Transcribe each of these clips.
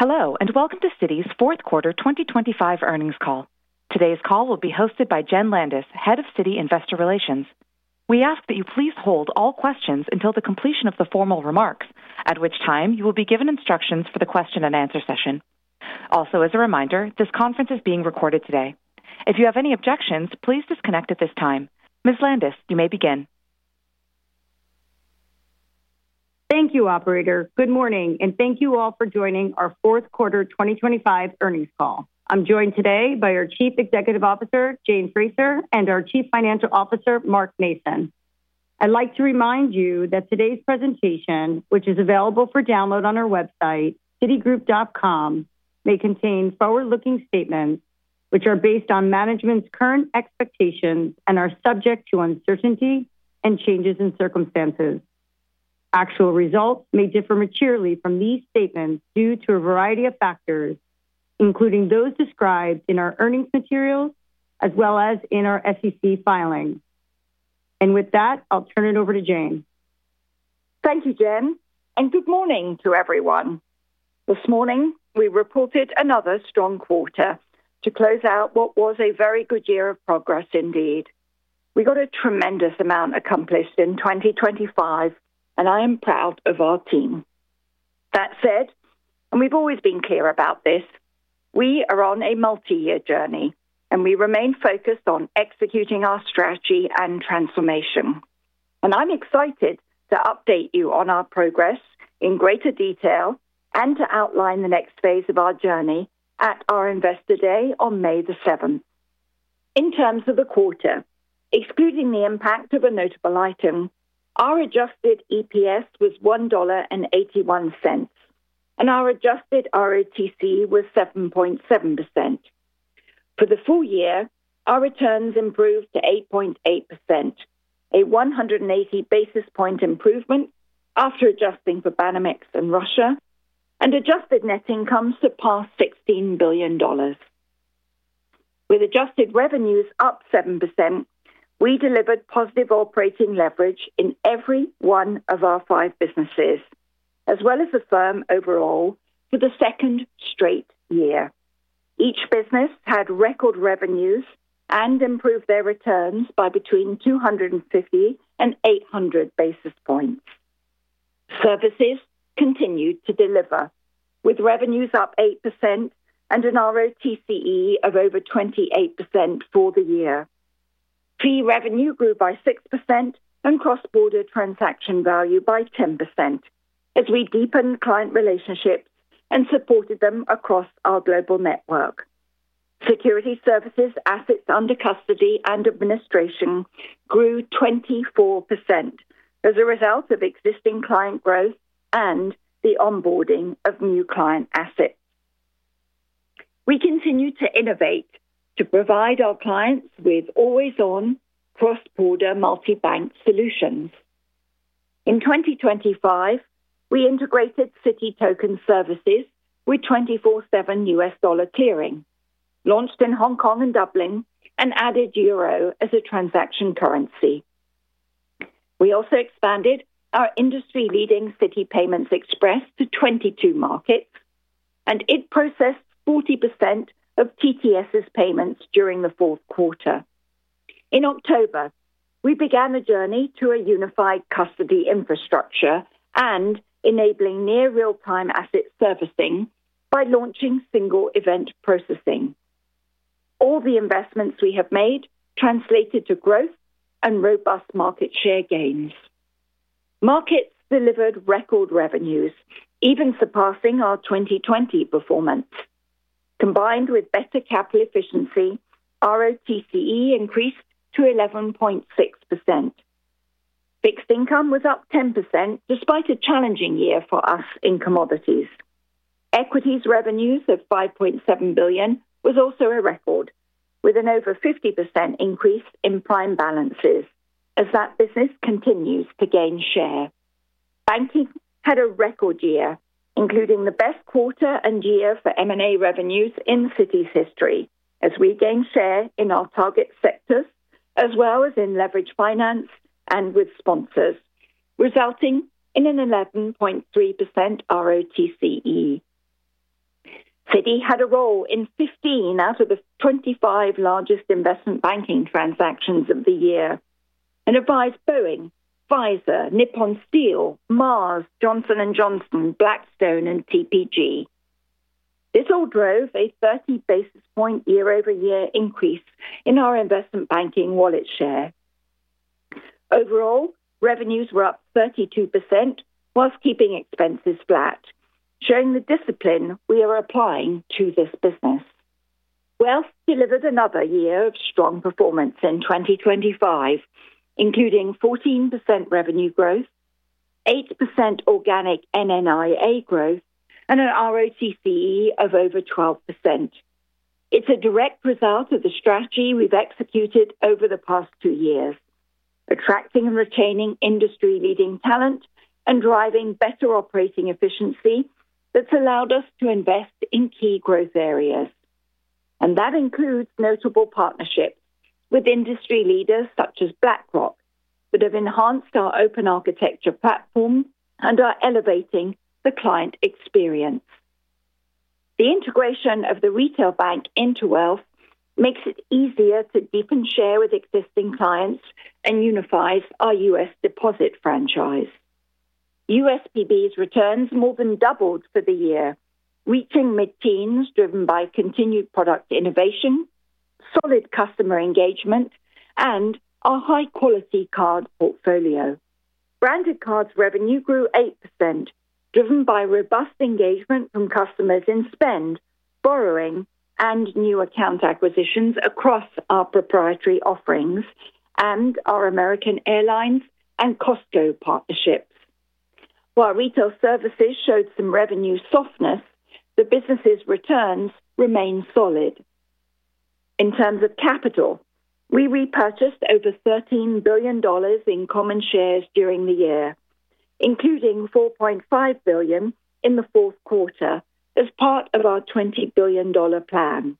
Hello, and welcome to Citi's Fourth Quarter 2025 earnings call. Today's call will be hosted by Jen Landis, Head of Citi Investor Relations. We ask that you please hold all questions until the completion of the formal remarks, at which time you will be given instructions for the question-and-answer session. Also, as a reminder, this conference is being recorded today. If you have any objections, please disconnect at this time. Ms. Landis, you may begin. Thank you, Operator. Good morning, and thank you all for joining our Fourth Quarter 2025 earnings call. I'm joined today by our Chief Executive Officer, Jane Fraser, and our Chief Financial Officer, Mark Mason. I'd like to remind you that today's presentation, which is available for download on our website, citigroup.com, may contain forward-looking statements which are based on management's current expectations and are subject to uncertainty and changes in circumstances. Actual results may differ materially from these statements due to a variety of factors, including those described in our earnings materials as well as in our SEC filings. With that, I'll turn it over to Jane. Thank you, Jen, and good morning to everyone. This morning, we reported another strong quarter to close out what was a very good year of progress, indeed. We got a tremendous amount accomplished in 2025, and I am proud of our team. That said, and we've always been clear about this, we are on a multi-year journey, and we remain focused on executing our strategy and transformation, and I'm excited to update you on our progress in greater detail and to outline the next phase of our journey at our Investor Day on May the 7th. In terms of the quarter, excluding the impact of a notable item, our adjusted EPS was $1.81, and our adjusted ROTCE was 7.7%. For the full year, our returns improved to 8.8%, a 180 basis points improvement after adjusting for Banamex and Russia, and adjusted net income surpassed $16 billion. With adjusted revenues up 7%, we delivered positive operating leverage in every one of our five businesses, as well as the firm overall for the second straight year. Each business had record revenues and improved their returns by between 250 and 800 basis points. Services continued to deliver, with revenues up 8% and an ROTCE of over 28% for the year. Fee revenue grew by 6% and cross-border transaction value by 10% as we deepened client relationships and supported them across our global Securities Services assets under custody and administration grew 24% as a result of existing client growth and the onboarding of new client assets. We continue to innovate to provide our clients with always-on cross-border multi-bank solutions. In 2025, we integrated Citi Token Services with 24/7 US Dollar clearing, launched in Hong Kong and Dublin, and added Euro as a transaction currency. We also expanded our industry-leading Citi Payments Express to 22 Markets, and it processed 40% of TTS's payments during the fourth quarter. In October, we began a journey to a unified custody infrastructure and enabling near real-time asset servicing by launching single event processing. All the investments we have made translated to growth and robust market share gains. Markets delivered record revenues, even surpassing our 2020 performance. Combined with better capital efficiency, ROTCE increased to 11.6%. Fixed income was up 10% despite a challenging year for us in commodities. Equities revenues of $5.7 billion was also a record, with an over 50% increase in prime balances as that business continues to gain share. Banking had a record year, including the best quarter and year for M&A revenues in Citi's history as we gained share in our target sectors as well as in leverage finance and with sponsors, resulting in an 11.3% ROTCE. Citi had a role in 15 out of the 25 largest investment banking transactions of the year and advised Boeing, Pfizer, Nippon Steel, Mars, Johnson & Johnson, Blackstone, and TPG. This all drove a 30 basis point year-over-year increase in our investment banking wallet share. Overall, revenues were up 32% while keeping expenses flat, showing the discipline we are applying to this business. Wealth delivered another year of strong performance in 2025, including 14% revenue growth, 8% organic NNIA growth, and an ROTCE of over 12%. It's a direct result of the strategy we've executed over the past two years, attracting and retaining industry-leading talent and driving better operating efficiency that's allowed us to invest in key growth areas. And that includes notable partnerships with industry leaders such as BlackRock that have enhanced our open architecture platform and are elevating the client experience. The integration of the retail bank into Wealth makes it easier to deepen share with existing clients and unifies our U.S. deposit franchise. USPB's returns more than doubled for the year, reaching mid-teens driven by continued product innovation, solid customer engagement, and our high-quality card portfolio. Branded Cards revenue grew 8%, driven by robust engagement from customers in spend, borrowing, and new account acquisitions across our proprietary offerings and our American Airlines and Costco partnerships. While Retail Services showed some revenue softness, the business's returns remained solid. In terms of capital, we repurchased over $13 billion in common shares during the year, including $4.5 billion in the fourth quarter as part of our $20 billion plan.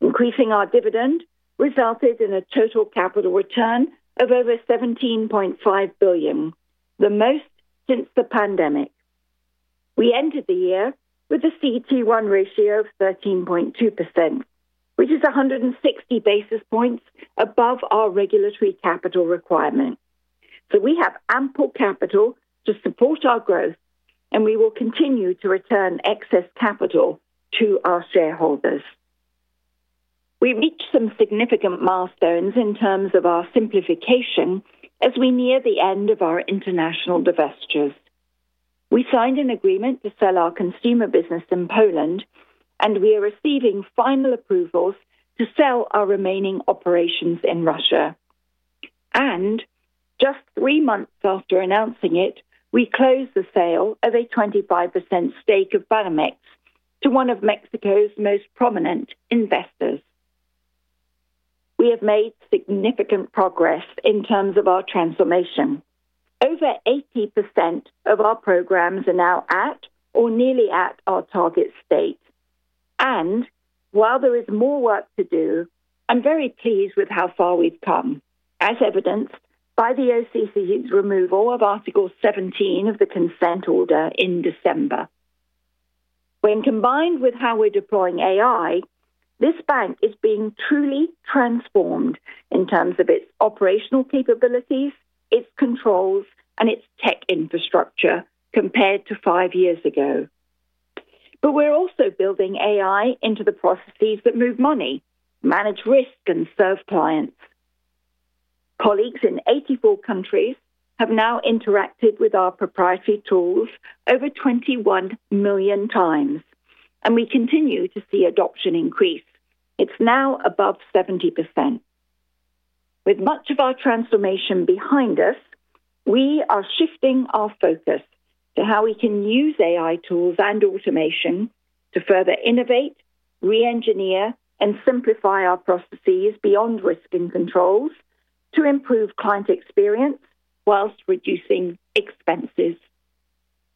Increasing our dividend resulted in a total capital return of over $17.5 billion, the most since the pandemic. We entered the year with a CET1 ratio of 13.2%, which is 160 basis points above our regulatory capital requirement. So we have ample capital to support our growth, and we will continue to return excess capital to our shareholders. We reached some significant milestones in terms of our simplification as we near the end of our international divestitures. We signed an agreement to sell our consumer business in Poland, and we are receiving final approvals to sell our remaining operations in Russia. Just three months after announcing it, we closed the sale of a 25% stake of Banamex to one of Mexico's most prominent investors. We have made significant progress in terms of our transformation. Over 80% of our programs are now at or nearly at our target state. While there is more work to do, I'm very pleased with how far we've come, as evidenced by the OCC's removal of Article 17 of the consent order in December. When combined with how we're deploying AI, this bank is being truly transformed in terms of its operational capabilities, its controls, and its tech infrastructure compared to five years ago. We're also building AI into the processes that move money, manage risk, and serve clients. Colleagues in 84 countries have now interacted with our proprietary tools over 21 million times, and we continue to see adoption increase. It's now above 70%. With much of our transformation behind us, we are shifting our focus to how we can use AI tools and automation to further innovate, re-engineer, and simplify our processes beyond risk and controls to improve client experience while reducing expenses.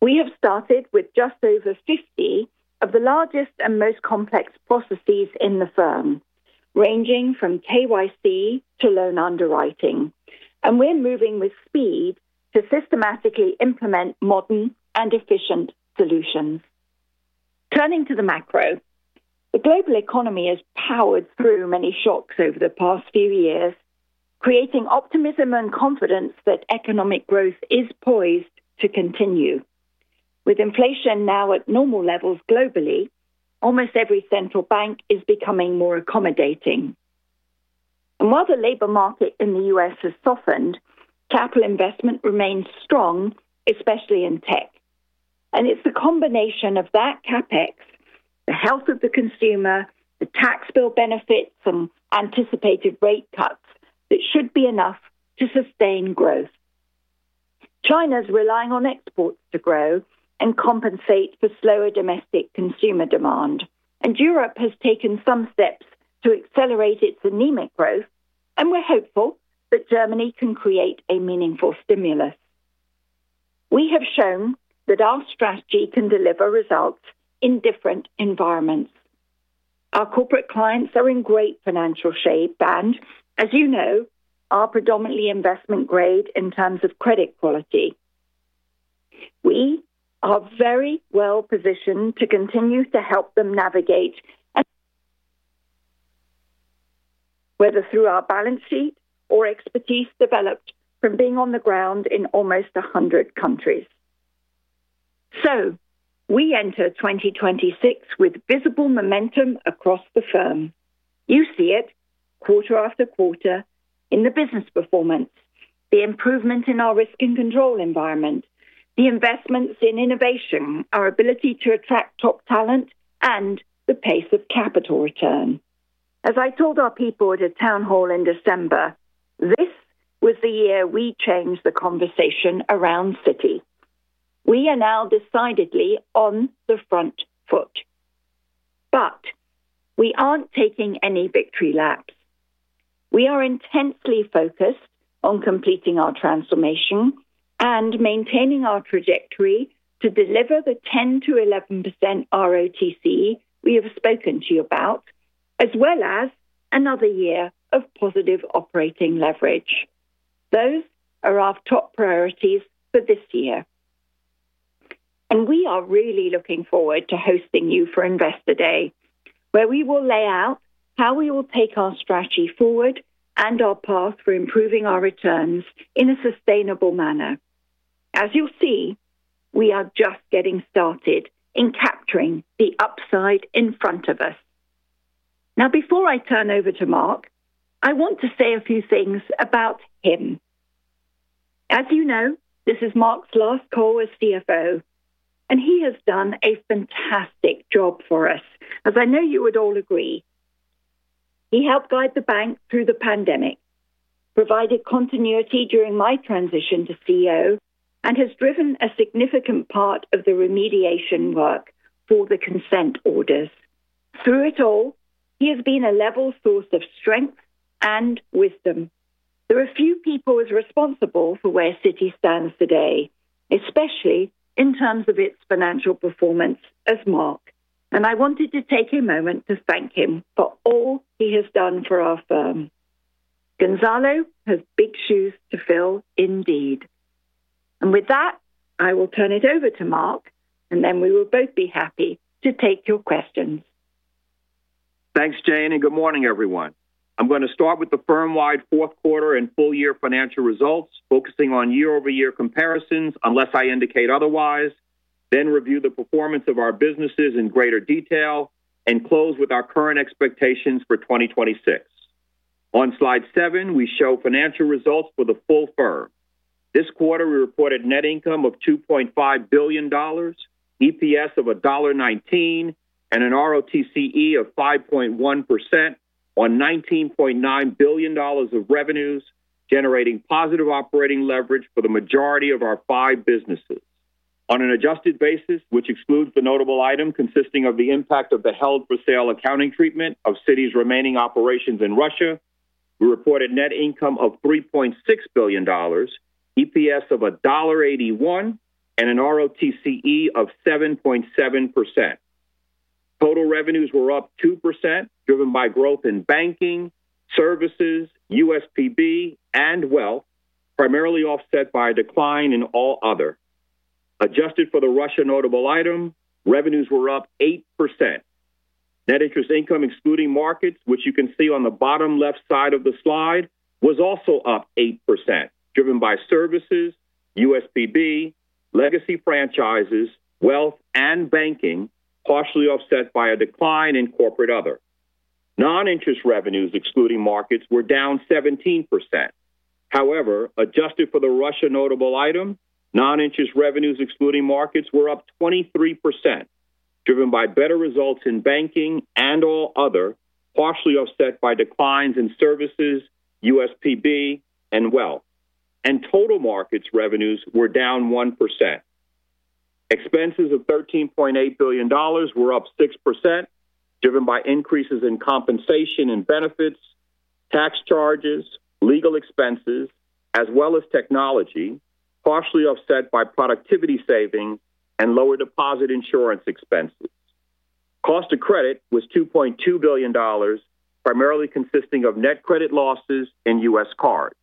We have started with just over 50 of the largest and most complex processes in the firm, ranging from KYC to loan underwriting, and we're moving with speed to systematically implement modern and efficient solutions. Turning to the macro, the global economy has powered through many shocks over the past few years, creating optimism and confidence that economic growth is poised to continue. With inflation now at normal levels globally, almost every central bank is becoming more accommodating. And while the labor market in the U.S. has softened, capital investment remains strong, especially in tech. And it's the combination of that CapEx, the health of the consumer, the tax bill benefits, and anticipated rate cuts that should be enough to sustain growth. China's relying on exports to grow and compensate for slower domestic consumer demand, and Europe has taken some steps to accelerate its anemic growth, and we're hopeful that Germany can create a meaningful stimulus. We have shown that our strategy can deliver results in different environments. Our corporate clients are in great financial shape, and as you know, are predominantly investment-grade in terms of credit quality. We are very well positioned to continue to help them navigate, whether through our balance sheet or expertise developed from being on the ground in almost 100 countries. So we enter 2026 with visible momentum across the firm. You see it quarter after quarter in the business performance, the improvement in our risk and control environment, the investments in innovation, our ability to attract top talent, and the pace of capital return. As I told our people at a town hall in December, this was the year we changed the conversation around Citi. We are now decidedly on the front foot, but we aren't taking any victory laps. We are intensely focused on completing our transformation and maintaining our trajectory to deliver the 10%-11% ROTCE we have spoken to you about, as well as another year of positive operating leverage. Those are our top priorities for this year, and we are really looking forward to hosting you for Investor Day, where we will lay out how we will take our strategy forward and our path for improving our returns in a sustainable manner. As you'll see, we are just getting started in capturing the upside in front of us. Now, before I turn over to Mark, I want to say a few things about him. As you know, this is Mark's last call as CFO, and he has done a fantastic job for us, as I know you would all agree. He helped guide the bank through the pandemic, provided continuity during my transition to CEO, and has driven a significant part of the remediation work for the consent orders. Through it all, he has been a level source of strength and wisdom. There are a few people who are responsible for where Citi stands today, especially in terms of its financial performance, Mark. I wanted to take a moment to thank him for all he has done for our firm. Gonzalo has big shoes to fill indeed. With that, I will turn it over to Mark, and then we will both be happy to take your questions. Thanks, Jane, and good morning, everyone. I'm going to start with the firm-wide fourth quarter and full-year financial results, focusing on year-over-year comparisons, unless I indicate otherwise, then review the performance of our businesses in greater detail, and close with our current expectations for 2026. On slide seven, we show financial results for the full firm. This quarter, we reported net income of $2.5 billion, EPS of $1.19, and an ROTCE of 5.1% on $19.9 billion of revenues, generating positive operating leverage for the majority of our five businesses. On an adjusted basis, which excludes the notable item consisting of the impact of the held-for-sale accounting treatment of Citi's remaining operations in Russia, we reported net income of $3.6 billion, EPS of $1.81, and an ROTCE of 7.7%. Total revenues were up 2%, driven by growth in banking, services, USPB, and Wealth, primarily offset by a decline in All Other. Adjusted for the Russia notable item, revenues were up 8%. Net interest income, excluding Markets, which you can see on the bottom left side of the slide, was also up 8%, driven by services, USPB, Legacy Franchises, Wealth, and banking, partially offset by a decline in Corporate/Other. Non-interest revenues, excluding Markets, were down 17%. However, adjusted for the Russia notable item, non-interest revenues, excluding Markets, were up 23%, driven by better results in banking and all other, partially offset by declines in services, USPB, and Wealth, and total Markets revenues were down 1%. Expenses of $13.8 billion were up 6%, driven by increases in compensation and benefits, tax charges, legal expenses, as well as technology, partially offset by productivity savings and lower deposit insurance expenses. Cost of credit was $2.2 billion, primarily consisting of net credit losses in US cards.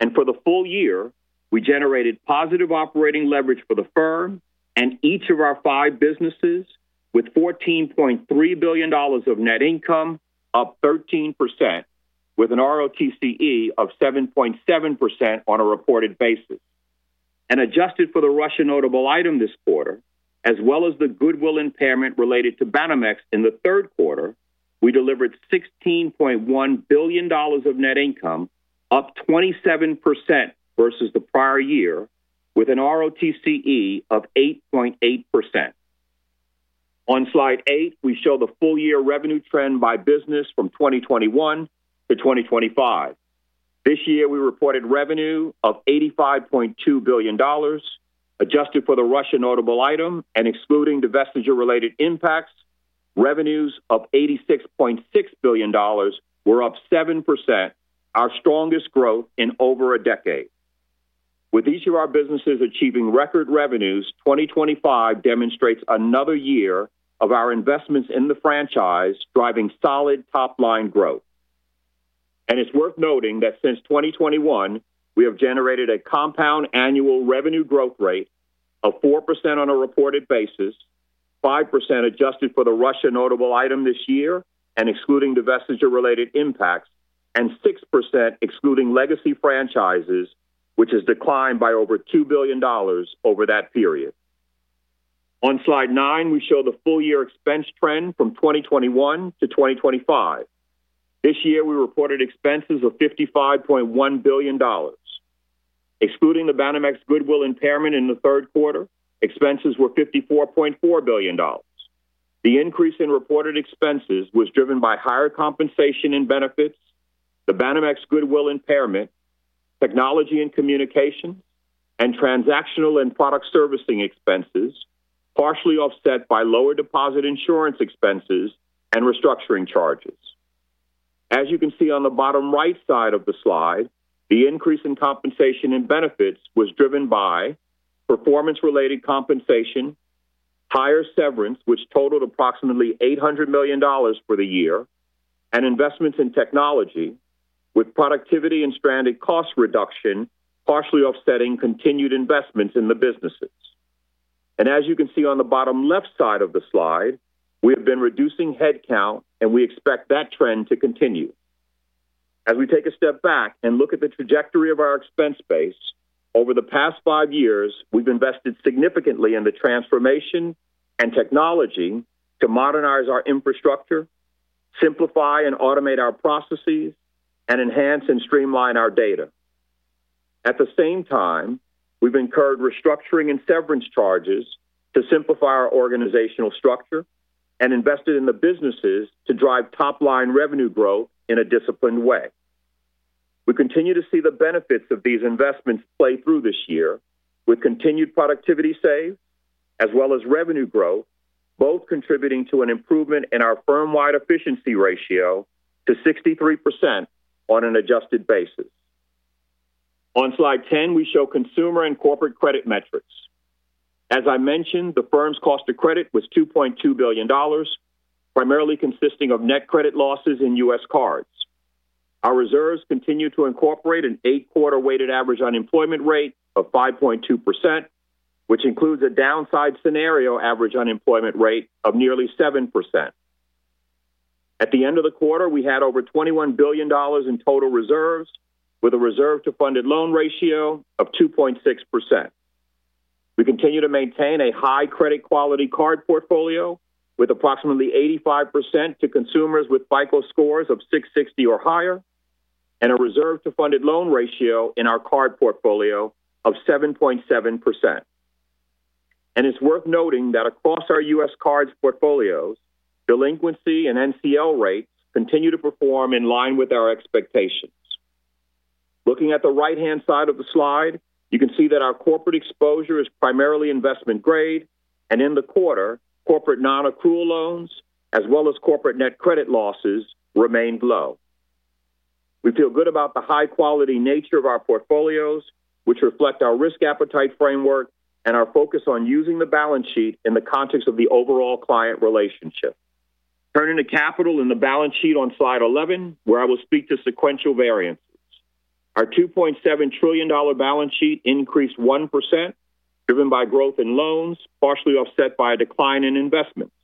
And for the full year, we generated positive operating leverage for the firm and each of our five businesses, with $14.3 billion of net income up 13%, with an ROTCE of 7.7% on a reported basis. And adjusted for the Russia notable item this quarter, as well as the goodwill impairment related to Banamex in the third quarter, we delivered $16.1 billion of net income up 27% versus the prior year, with an ROTCE of 8.8%. On slide eight, we show the full-year revenue trend by business from 2021 to 2025. This year, we reported revenue of $85.2 billion. Adjusted for the Russia notable item and excluding divestiture-related impacts, revenues of $86.6 billion were up 7%, our strongest growth in over a decade. With each of our businesses achieving record revenues, 2025 demonstrates another year of our investments in the franchise driving solid top-line growth. It's worth noting that since 2021, we have generated a compound annual revenue growth rate of 4% on a reported basis, 5% adjusted for the Russia notable item this year and excluding divestiture-related impacts, and 6% excluding legacy franchises, which has declined by over $2 billion over that period. On slide nine, we show the full-year expense trend from 2021 to 2025. This year, we reported expenses of $55.1 billion. Excluding the Banamex goodwill impairment in the third quarter, expenses were $54.4 billion. The increase in reported expenses was driven by higher compensation and benefits, the Banamex goodwill impairment, technology and communications, and transactional and product servicing expenses, partially offset by lower deposit insurance expenses and restructuring charges. As you can see on the bottom right side of the slide, the increase in compensation and benefits was driven by performance-related compensation, higher severance, which totaled approximately $800 million for the year, and investments in technology, with productivity and stranded cost reduction partially offsetting continued investments in the businesses. And as you can see on the bottom left side of the slide, we have been reducing headcount, and we expect that trend to continue. As we take a step back and look at the trajectory of our expense base, over the past five years, we've invested significantly in the transformation and technology to modernize our infrastructure, simplify and automate our processes, and enhance and streamline our data. At the same time, we've incurred restructuring and severance charges to simplify our organizational structure and invested in the businesses to drive top-line revenue growth in a disciplined way. We continue to see the benefits of these investments play through this year, with continued productivity saved, as well as revenue growth, both contributing to an improvement in our firm-wide efficiency ratio to 63% on an adjusted basis. On slide 10, we show consumer and corporate credit metrics. As I mentioned, the firm's cost of credit was $2.2 billion, primarily consisting of net credit losses in U.S. cards. Our reserves continue to incorporate an eight-quarter-weighted average unemployment rate of 5.2%, which includes a downside scenario average unemployment rate of nearly 7%. At the end of the quarter, we had over $21 billion in total reserves, with a reserve-to-funded loan ratio of 2.6%. We continue to maintain a high credit quality card portfolio, with approximately 85% to consumers with FICO scores of 660 or higher, and a reserve-to-funded loan ratio in our card portfolio of 7.7%. It's worth noting that across our U.S. cards portfolios, delinquency and NCL rates continue to perform in line with our expectations. Looking at the right-hand side of the slide, you can see that our corporate exposure is primarily investment grade, and in the quarter, corporate non-accrual loans, as well as corporate net credit losses, remained low. We feel good about the high-quality nature of our portfolios, which reflect our risk appetite framework and our focus on using the balance sheet in the context of the overall client relationship. Turning to capital in the balance sheet on slide 11, where I will speak to sequential variances. Our $2.7 trillion balance sheet increased 1%, driven by growth in loans, partially offset by a decline in investments.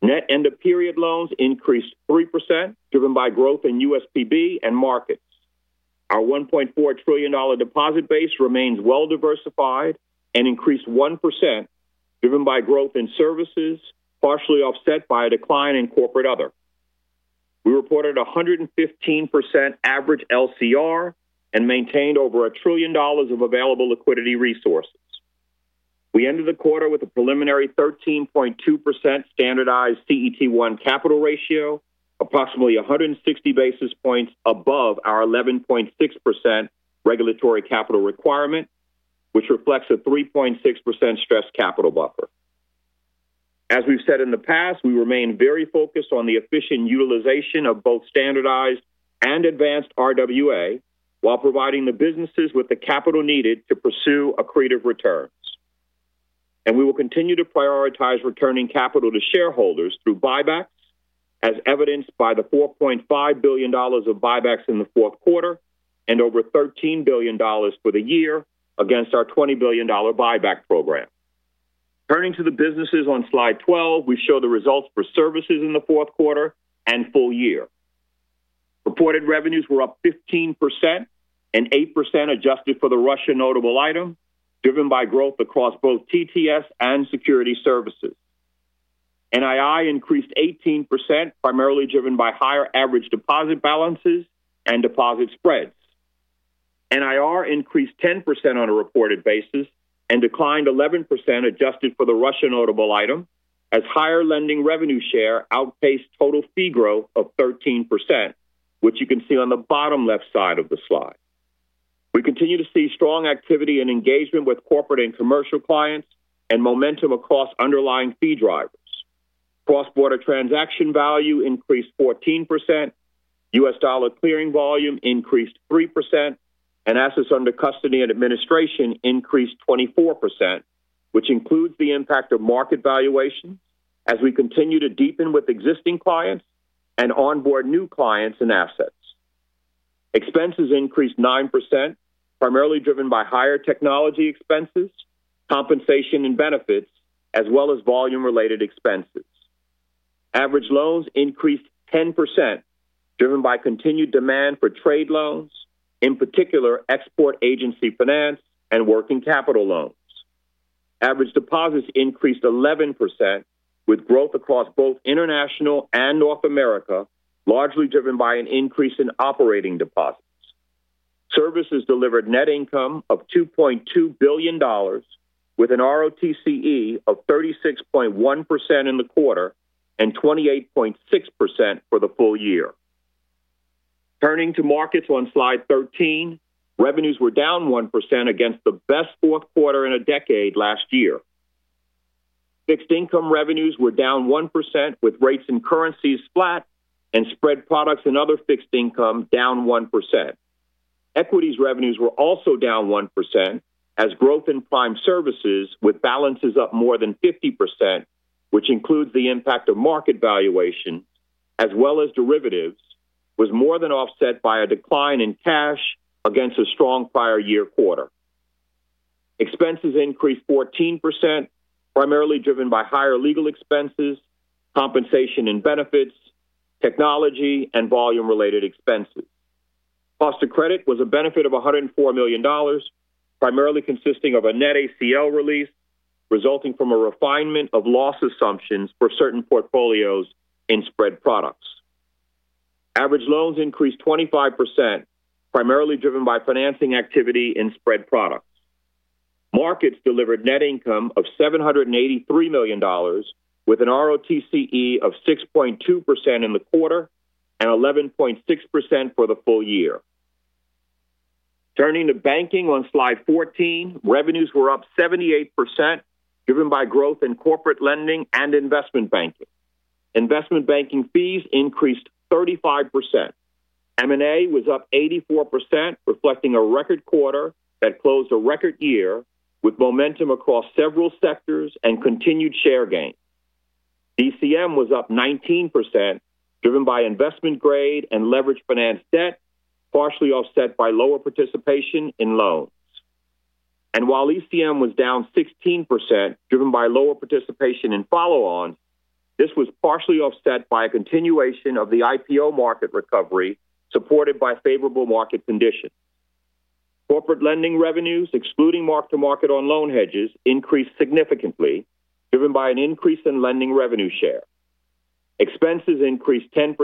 Net end-of-period loans increased 3%, driven by growth in USPB and Markets. Our $1.4 trillion deposit base remains well-diversified and increased 1%, driven by growth in services, partially offset by a decline in Corporate/Other. We reported a 115% average LCR and maintained over a trillion dollars of available liquidity resources. We ended the quarter with a preliminary 13.2% standardized CET1 capital ratio, approximately 160 basis points above our 11.6% regulatory capital requirement, which reflects a 3.6% stress capital buffer. As we've said in the past, we remain very focused on the efficient utilization of both standardized and advanced RWA while providing the businesses with the capital needed to pursue accretive returns. And we will continue to prioritize returning capital to shareholders through buybacks, as evidenced by the $4.5 billion of buybacks in the fourth quarter and over $13 billion for the year against our $20 billion buyback program. Turning to the businesses on slide 12, we show the results for services in the fourth quarter and full year. Reported revenues were up 15% and 8% adjusted for the Russia notable item, driven by growth across both TTS Securities Services. nii increased 18%, primarily driven by higher average deposit balances and deposit spreads. NIR increased 10% on a reported basis and declined 11% adjusted for the Russia notable item, as higher lending revenue share outpaced total fee growth of 13%, which you can see on the bottom left side of the slide. We continue to see strong activity and engagement with corporate and commercial clients and momentum across underlying fee drivers. Cross-border transaction value increased 14%, U.S. dollar clearing volume increased 3%, and assets under custody and administration increased 24%, which includes the impact of market valuations as we continue to deepen with existing clients and onboard new clients and assets. Expenses increased 9%, primarily driven by higher technology expenses, compensation and benefits, as well as volume-related expenses. Average loans increased 10%, driven by continued demand for trade loans, in particular export agency finance and working capital loans. Average deposits increased 11%, with growth across both international and North America, largely driven by an increase in operating deposits. Services delivered net income of $2.2 billion, with an ROTCE of 36.1% in the quarter and 28.6% for the full year. Turning to Markets on slide 13, revenues were down 1% against the best fourth quarter in a decade last year. Fixed income revenues were down 1%, with rates and currencies flat, and spread products and other fixed income down 1%. Equities revenues were also down 1%, as growth in prime services, with balances up more than 50%, which includes the impact of market valuation, as well as derivatives, was more than offset by a decline in cash against a strong prior year quarter. Expenses increased 14%, primarily driven by higher legal expenses, compensation and benefits, technology, and volume-related expenses. Cost of credit was a benefit of $104 million, primarily consisting of a net ACL release resulting from a refinement of loss assumptions for certain portfolios in spread products. Average loans increased 25%, primarily driven by financing activity in spread products. Markets delivered net income of $783 million, with an ROTCE of 6.2% in the quarter and 11.6% for the full year. Turning to banking on slide 14, revenues were up 78%, driven by growth in corporate lending and investment banking. Investment banking fees increased 35%. M&A was up 84%, reflecting a record quarter that closed a record year, with momentum across several sectors and continued share gain. DCM was up 19%, driven by investment grade and leveraged finance debt, partially offset by lower participation in loans. And while ECM was down 16%, driven by lower participation in follow-ons, this was partially offset by a continuation of the IPO market recovery supported by favorable market conditions. Corporate lending revenues, excluding mark-to-market on loan hedges, increased significantly, driven by an increase in lending revenue share. Expenses increased 10%,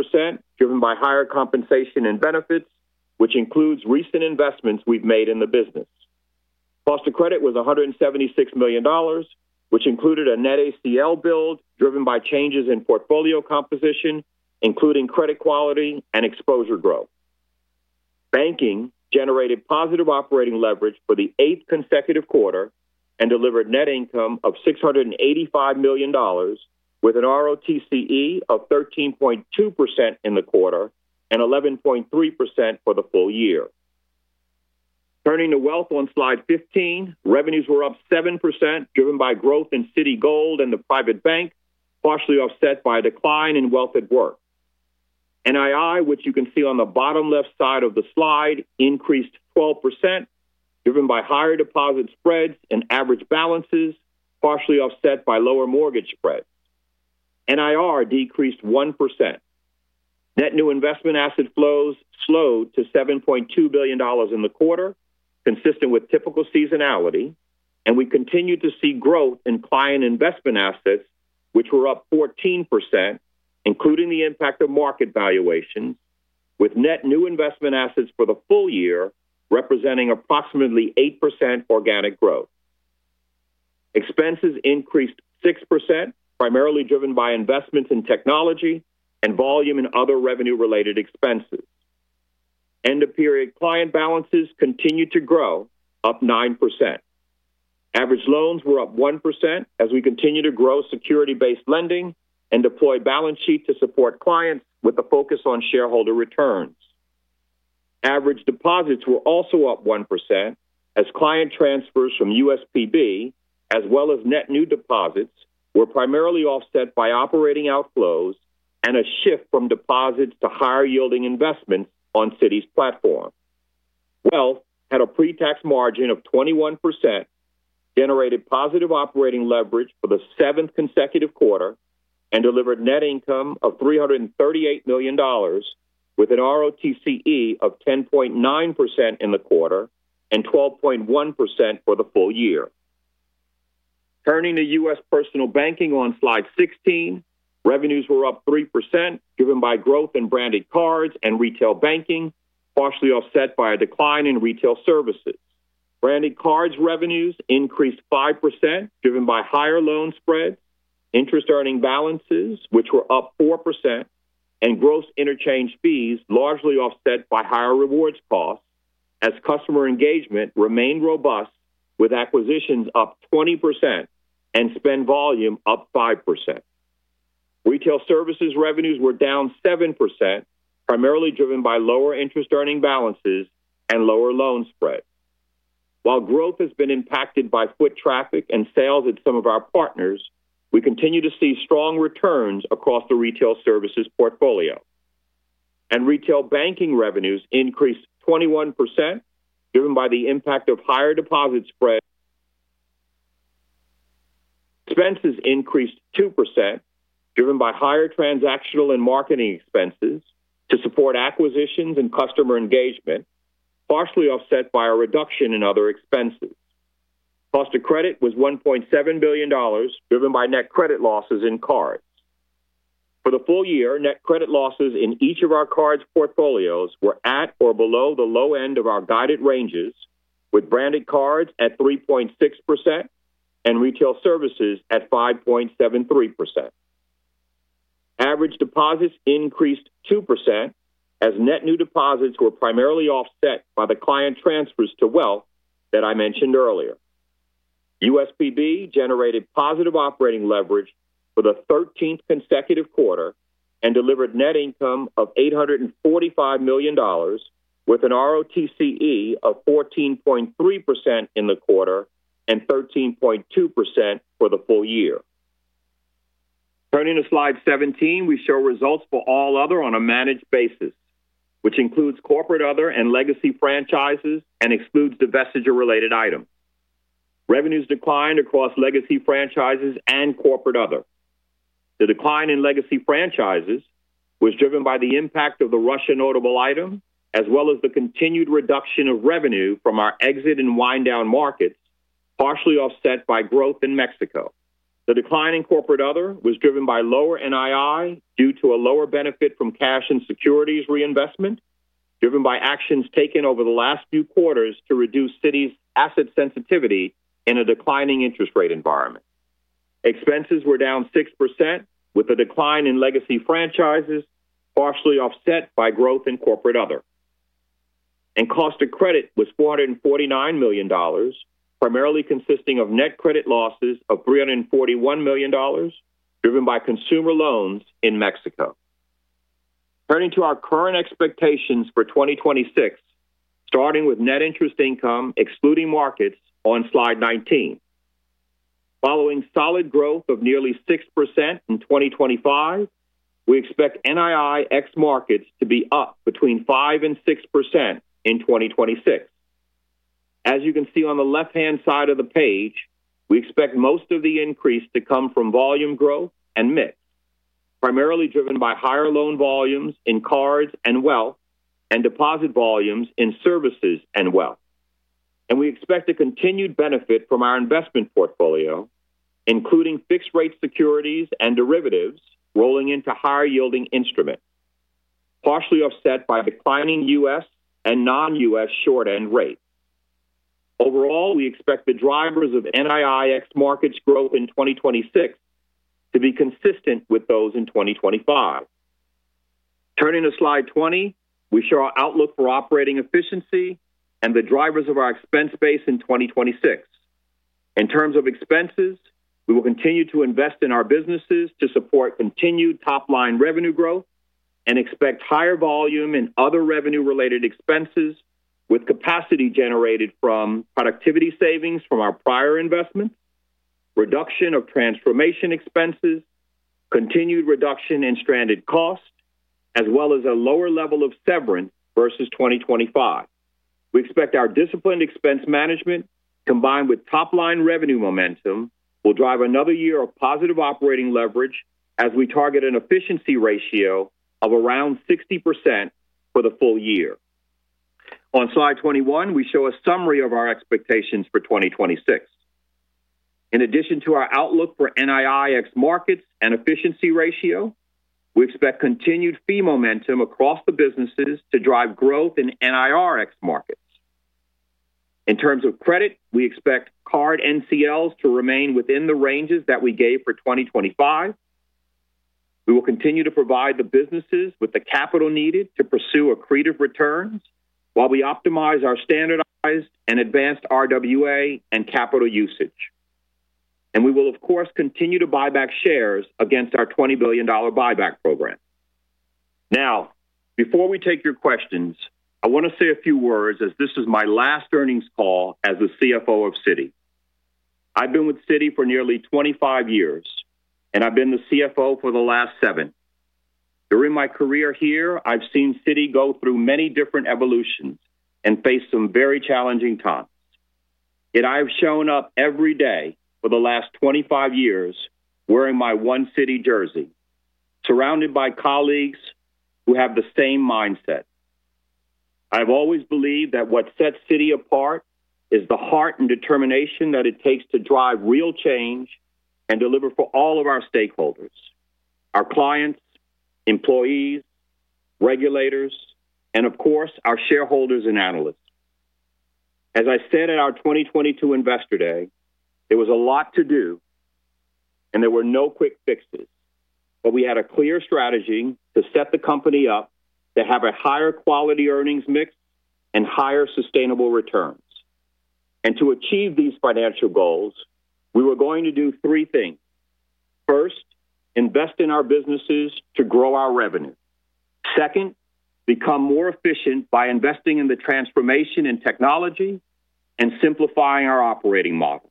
driven by higher compensation and benefits, which includes recent investments we've made in the business. Cost of credit was $176 million, which included a net ACL build, driven by changes in portfolio composition, including credit quality and exposure growth. Banking generated positive operating leverage for the eighth consecutive quarter and delivered net income of $685 million, with an ROTCE of 13.2% in the quarter and 11.3% for the full year. Turning to Wealth on slide 15, revenues were up 7%, driven by growth in Citigold and the Private Bank, partially offset by a decline in Wealth at Work. NII, which you can see on the bottom left side of the slide, increased 12%, driven by higher deposit spreads and average balances, partially offset by lower mortgage spreads. NIR decreased 1%. Net new investment asset flows slowed to $7.2 billion in the quarter, consistent with typical seasonality, and we continue to see growth in client investment assets, which were up 14%, including the impact of market valuations, with net new investment assets for the full year representing approximately 8% organic growth. Expenses increased 6%, primarily driven by investments in technology and volume in other revenue-related expenses. End-of-period client balances continued to grow, up 9%. Average loans were up 1% as we continue to grow security-based lending and deploy balance sheet to support clients with a focus on shareholder returns. Average deposits were also up 1% as client transfers from USPB, as well as net new deposits, were primarily offset by operating outflows and a shift from deposits to higher-yielding investments on Citi's platform. Wealth had a pre-tax margin of 21%, generated positive operating leverage for the seventh consecutive quarter, and delivered net income of $338 million, with an ROTCE of 10.9% in the quarter and 12.1% for the full year. Turning to U.S. Personal Banking on slide 16, revenues were up 3%, driven by growth in Branded Cards and Retail Banking, partially offset by a decline in Retail Services. Branded Cards revenues increased 5%, driven by higher loan spreads, interest-earning balances, which were up 4%, and gross interchange fees, largely offset by higher rewards costs, as customer engagement remained robust, with acquisitions up 20% and spend volume up 5%. Retail Services revenues were down 7%, primarily driven by lower interest-earning balances and lower loan spreads. While growth has been impacted by foot traffic and sales at some of our partners, we continue to see strong returns across the Retail Services portfolio. Retail banking revenues increased 21%, driven by the impact of higher deposit spreads. Expenses increased 2%, driven by higher transactional and marketing expenses to support acquisitions and customer engagement, partially offset by a reduction in other expenses. Cost of credit was $1.7 billion, driven by net credit losses in cards. For the full year, net credit losses in each of our cards portfolios were at or below the low end of our guided ranges, with Branded Cards at 3.6% and Retail Services at 5.73%. Average deposits increased 2% as net new deposits were primarily offset by the client transfers to Wealth that I mentioned earlier. USPB generated positive operating leverage for the 13th consecutive quarter and delivered net income of $845 million, with an ROTCE of 14.3% in the quarter and 13.2% for the full year. Turning to slide 17, we show results for all other on a managed basis, which includes Corporate/Other and legacy franchises and excludes divestiture-related items. Revenues declined across legacy franchises and Corporate/Other. The decline in legacy franchises was driven by the impact of the Russia notable item, as well as the continued reduction of revenue from our exit and wind-down Markets, partially offset by growth in Mexico. The decline in Corporate/Other was driven by lower NII due to a lower benefit from cash and securities reinvestment, driven by actions taken over the last few quarters to reduce Citi's asset sensitivity in a declining interest rate environment. Expenses were down 6%, with a decline in legacy franchises, partially offset by growth in Corporate/Other, and cost of credit was $449 million, primarily consisting of net credit losses of $341 million, driven by consumer loans in Mexico. Turning to our current expectations for 2026, starting with net interest income excluding Markets on slide 19. Following solid growth of nearly 6% in 2025, we expect NII ex-Markets to be up between 5% and 6% in 2026. As you can see on the left-hand side of the page, we expect most of the increase to come from volume growth and mix, primarily driven by higher loan volumes in cards and Wealth and deposit volumes in services and Wealth, and we expect a continued benefit from our investment portfolio, including fixed-rate securities and derivatives rolling into higher-yielding instruments, partially offset by declining U.S. and non-U.S. short-end rates. Overall, we expect the drivers of NII ex-Markets growth in 2026 to be consistent with those in 2025. Turning to slide 20, we show our outlook for operating efficiency and the drivers of our expense base in 2026. In terms of expenses, we will continue to invest in our businesses to support continued top-line revenue growth and expect higher volume in other revenue-related expenses, with capacity generated from productivity savings from our prior investments, reduction of transformation expenses, continued reduction in stranded costs, as well as a lower level of severance versus 2025. We expect our disciplined expense management, combined with top-line revenue momentum, will drive another year of positive operating leverage as we target an efficiency ratio of around 60% for the full year. On slide 21, we show a summary of our expectations for 2026. In addition to our outlook for NII ex-Markets and efficiency ratio, we expect continued fee momentum across the businesses to drive growth in NIR ex-Markets. In terms of credit, we expect card NCLs to remain within the ranges that we gave for 2025. We will continue to provide the businesses with the capital needed to pursue accretive returns while we optimize our standardized and advanced RWA and capital usage, and we will, of course, continue to buy back shares against our $20 billion buyback program. Now, before we take your questions, I want to say a few words as this is my last earnings call as the CFO of Citi. I've been with Citi for nearly 25 years, and I've been the CFO for the last seven. During my career here, I've seen Citi go through many different evolutions and face some very challenging times. Yet I have shown up every day for the last 25 years wearing my One Citi jersey, surrounded by colleagues who have the same mindset. I've always believed that what sets Citi apart is the heart and determination that it takes to drive real change and deliver for all of our stakeholders: our clients, employees, regulators, and, of course, our shareholders and analysts. As I said at our 2022 Investor Day, there was a lot to do, and there were no quick fixes, but we had a clear strategy to set the company up to have a higher quality earnings mix and higher sustainable returns. And to achieve these financial goals, we were going to do three things. First, invest in our businesses to grow our revenue. Second, become more efficient by investing in the transformation in technology and simplifying our operating model.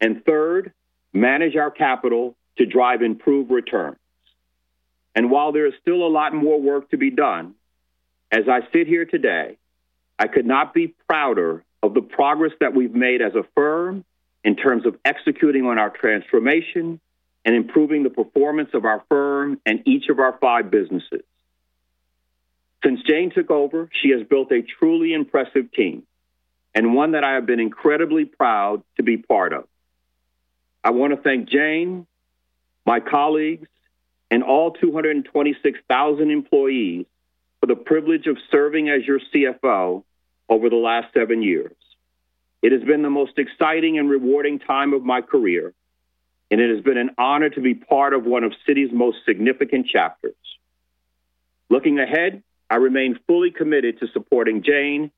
And third, manage our capital to drive improved returns. While there is still a lot more work to be done, as I sit here today, I could not be prouder of the progress that we've made as a firm in terms of executing on our transformation and improving the performance of our firm and each of our five businesses. Since Jane took over, she has built a truly impressive team and one that I have been incredibly proud to be part of. I want to thank Jane, my colleagues, and all 226,000 employees for the privilege of serving as your CFO over the last seven years. It has been the most exciting and rewarding time of my career, and it has been an honor to be part of one of Citi's most significant chapters. Looking ahead, I remain fully committed to supporting Jane,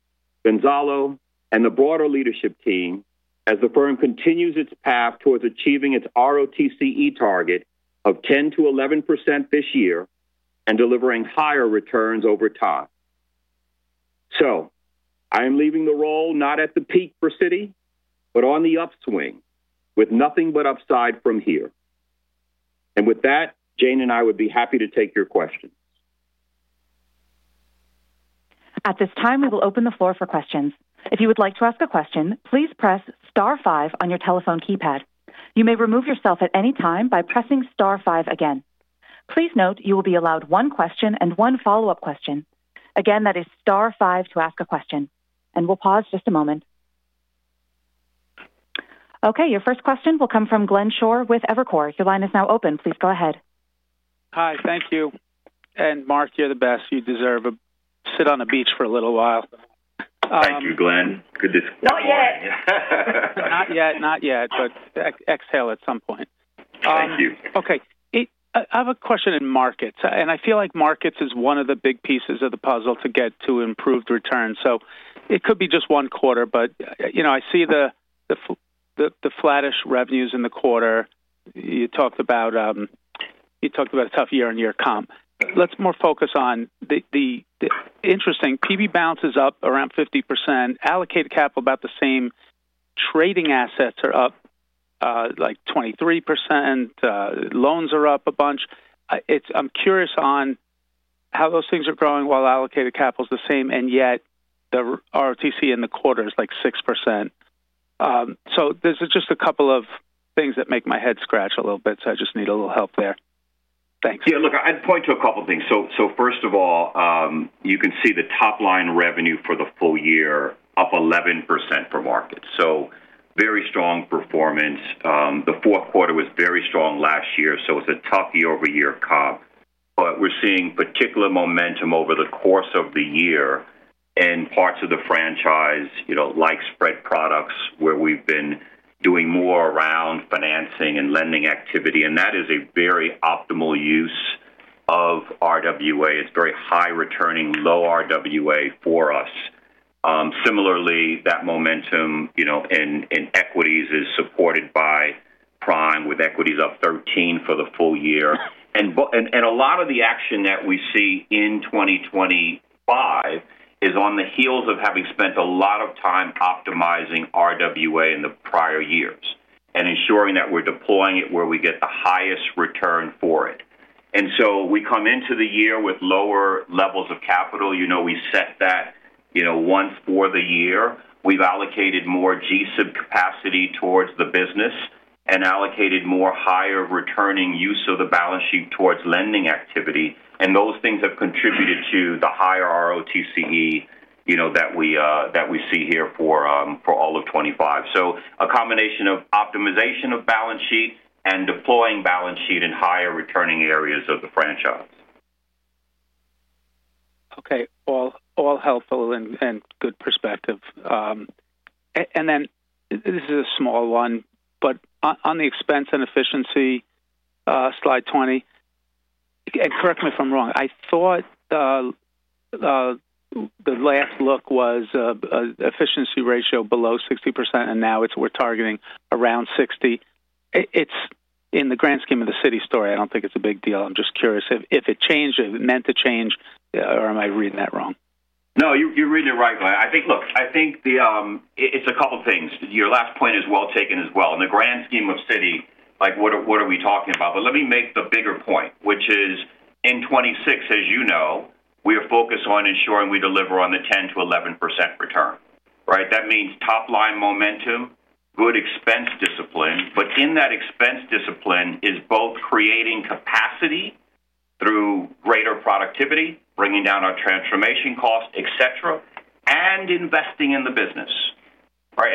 Gonzalo, and the broader leadership team as the firm continues its path towards achieving its ROTCE target of 10%-11% this year and delivering higher returns over time. So I am leaving the role not at the peak for Citi, but on the upswing with nothing but upside from here. And with that, Jane and I would be happy to take your questions. At this time, we will open the floor for questions. If you would like to ask a question, please press star five on your telephone keypad. You may remove yourself at any time by pressing star five again. Please note you will be allowed one question and one follow-up question. Again, that is star five to ask a question. And we'll pause just a moment. Okay, your first question will come from Glenn Schorr with Evercore. Your line is now open. Please go ahead. Hi, thank you. And Mark, you're the best. You deserve a sit on a beach for a little while. Thank you, Glenn. Good to see you. Not yet. Not yet, not yet, but exhale at some point. Thank you. Okay. I have a question in Markets, and I feel like Markets is one of the big pieces of the puzzle to get to improved returns. So it could be just one quarter, but I see the flattish revenues in the quarter. You talked about a tough year on year comp. Let's more focus on the interesting. PB bounces up around 50%. Allocated capital about the same. Trading assets are up like 23%. Loans are up a bunch. I'm curious on how those things are growing while allocated capital is the same, and yet the ROTCE in the quarter is like 6%. So there's just a couple of things that make my head scratch a little bit, so I just need a little help there. Thanks. Yeah, look, I'd point to a couple of things. So first of all, you can see the top-line revenue for the full year up 11% for Markets. So very strong performance. The fourth quarter was very strong last year, so it's a tough year over year comp. But we're seeing particular momentum over the course of the year in parts of the franchise, like spread products, where we've been doing more around financing and lending activity. And that is a very optimal use of RWA. It's very high returning, low RWA for us. Similarly, that momentum in equities is supported by prime, with equities up 13% for the full year. A lot of the action that we see in 2025 is on the heels of having spent a lot of time optimizing RWA in the prior years and ensuring that we're deploying it where we get the highest return for it. And so we come into the year with lower levels of capital. We set that once for the year. We've allocated more GSIB capacity towards the business and allocated more higher returning use of the balance sheet towards lending activity. And those things have contributed to the higher ROTCE that we see here for all of 2025. So a combination of optimization of balance sheet and deploying balance sheet in higher returning areas of the franchise. Okay. Well, all helpful and good perspective. And then this is a small one, but on the expense and efficiency, slide 20, and correct me if I'm wrong. I thought the last look was an efficiency ratio below 60%, and now we're targeting around 60%. In the grand scheme of the Citi story, I don't think it's a big deal. I'm just curious if it changed, if it meant to change, or am I reading that wrong? No, you're reading it right, Glenn. I think, look, I think it's a couple of things. Your last point is well taken as well. In the grand scheme of Citi, what are we talking about? But let me make the bigger point, which is in 2026, as you know, we are focused on ensuring we deliver on the 10%-11% return, right? That means top-line momentum, good expense discipline, but in that expense discipline is both creating capacity through greater productivity, bringing down our transformation costs, etc., and investing in the business, right?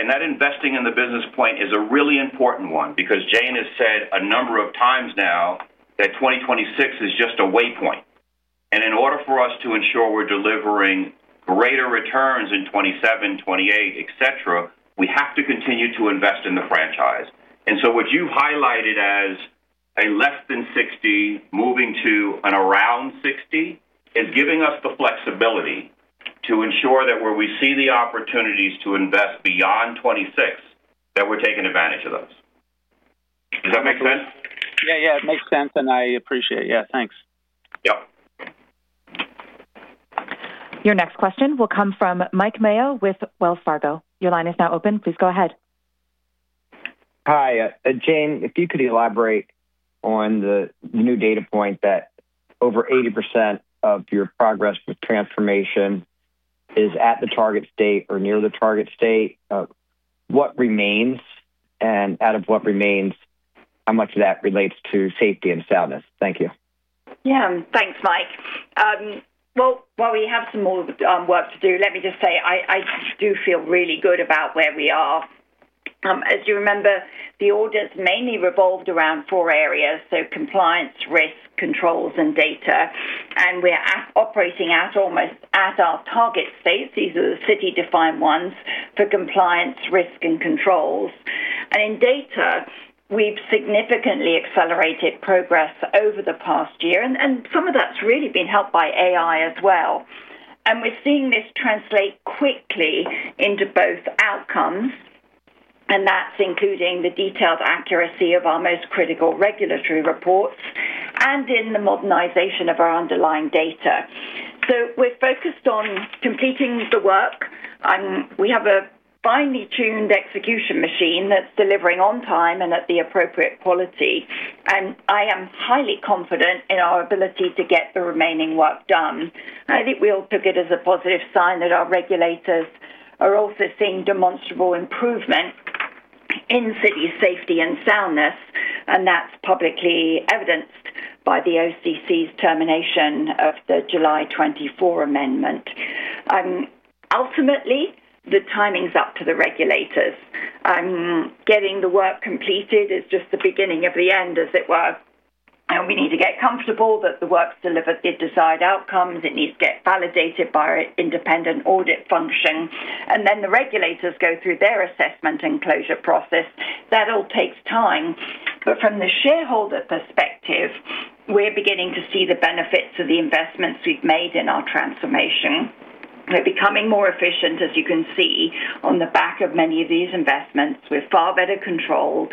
That investing in the business point is a really important one because Jane has said a number of times now that 2026 is just a waypoint. In order for us to ensure we're delivering greater returns in 2027, 2028, etc., we have to continue to invest in the franchise. What you've highlighted as a less than 60, moving to an around 60, is giving us the flexibility to ensure that where we see the opportunities to invest beyond 2026, that we're taking advantage of those. Does that make sense? Yeah, yeah. It makes sense, and I appreciate it. Yeah, thanks. Yep. Your next question will come from Mike Mayo with Wells Fargo. Your line is now open. Please go ahead. Hi. Jane, if you could elaborate on the new data point that over 80% of your progress with transformation is at the target state or near the target state, what remains, and out of what remains, how much of that relates to safety and soundness? Thank you. Yeah. Thanks, Mike. Well, while we have some more work to do, let me just say I do feel really good about where we are. As you remember, the audits mainly revolved around four areas, so compliance, risk, controls, and data. And we're operating at almost at our target states. These are the Citi-defined ones for compliance, risk, and controls. And in data, we've significantly accelerated progress over the past year, and some of that's really been helped by AI as well. And we're seeing this translate quickly into both outcomes, and that's including the detailed accuracy of our most critical regulatory reports and in the modernization of our underlying data. So we're focused on completing the work. We have a finely tuned execution machine that's delivering on time and at the appropriate quality. And I am highly confident in our ability to get the remaining work done. I think we all took it as a positive sign that our regulators are also seeing demonstrable improvement in Citi's safety and soundness, and that's publicly evidenced by the OCC's termination of the July 2024 amendment. Ultimately, the timing's up to the regulators. Getting the work completed is just the beginning of the end, as it were. And we need to get comfortable that the work's delivered the desired outcomes. It needs to get validated by an independent audit function. And then the regulators go through their assessment and closure process. That all takes time. But from the shareholder perspective, we're beginning to see the benefits of the investments we've made in our transformation. We're becoming more efficient, as you can see, on the back of many of these investments. We're far better controlled.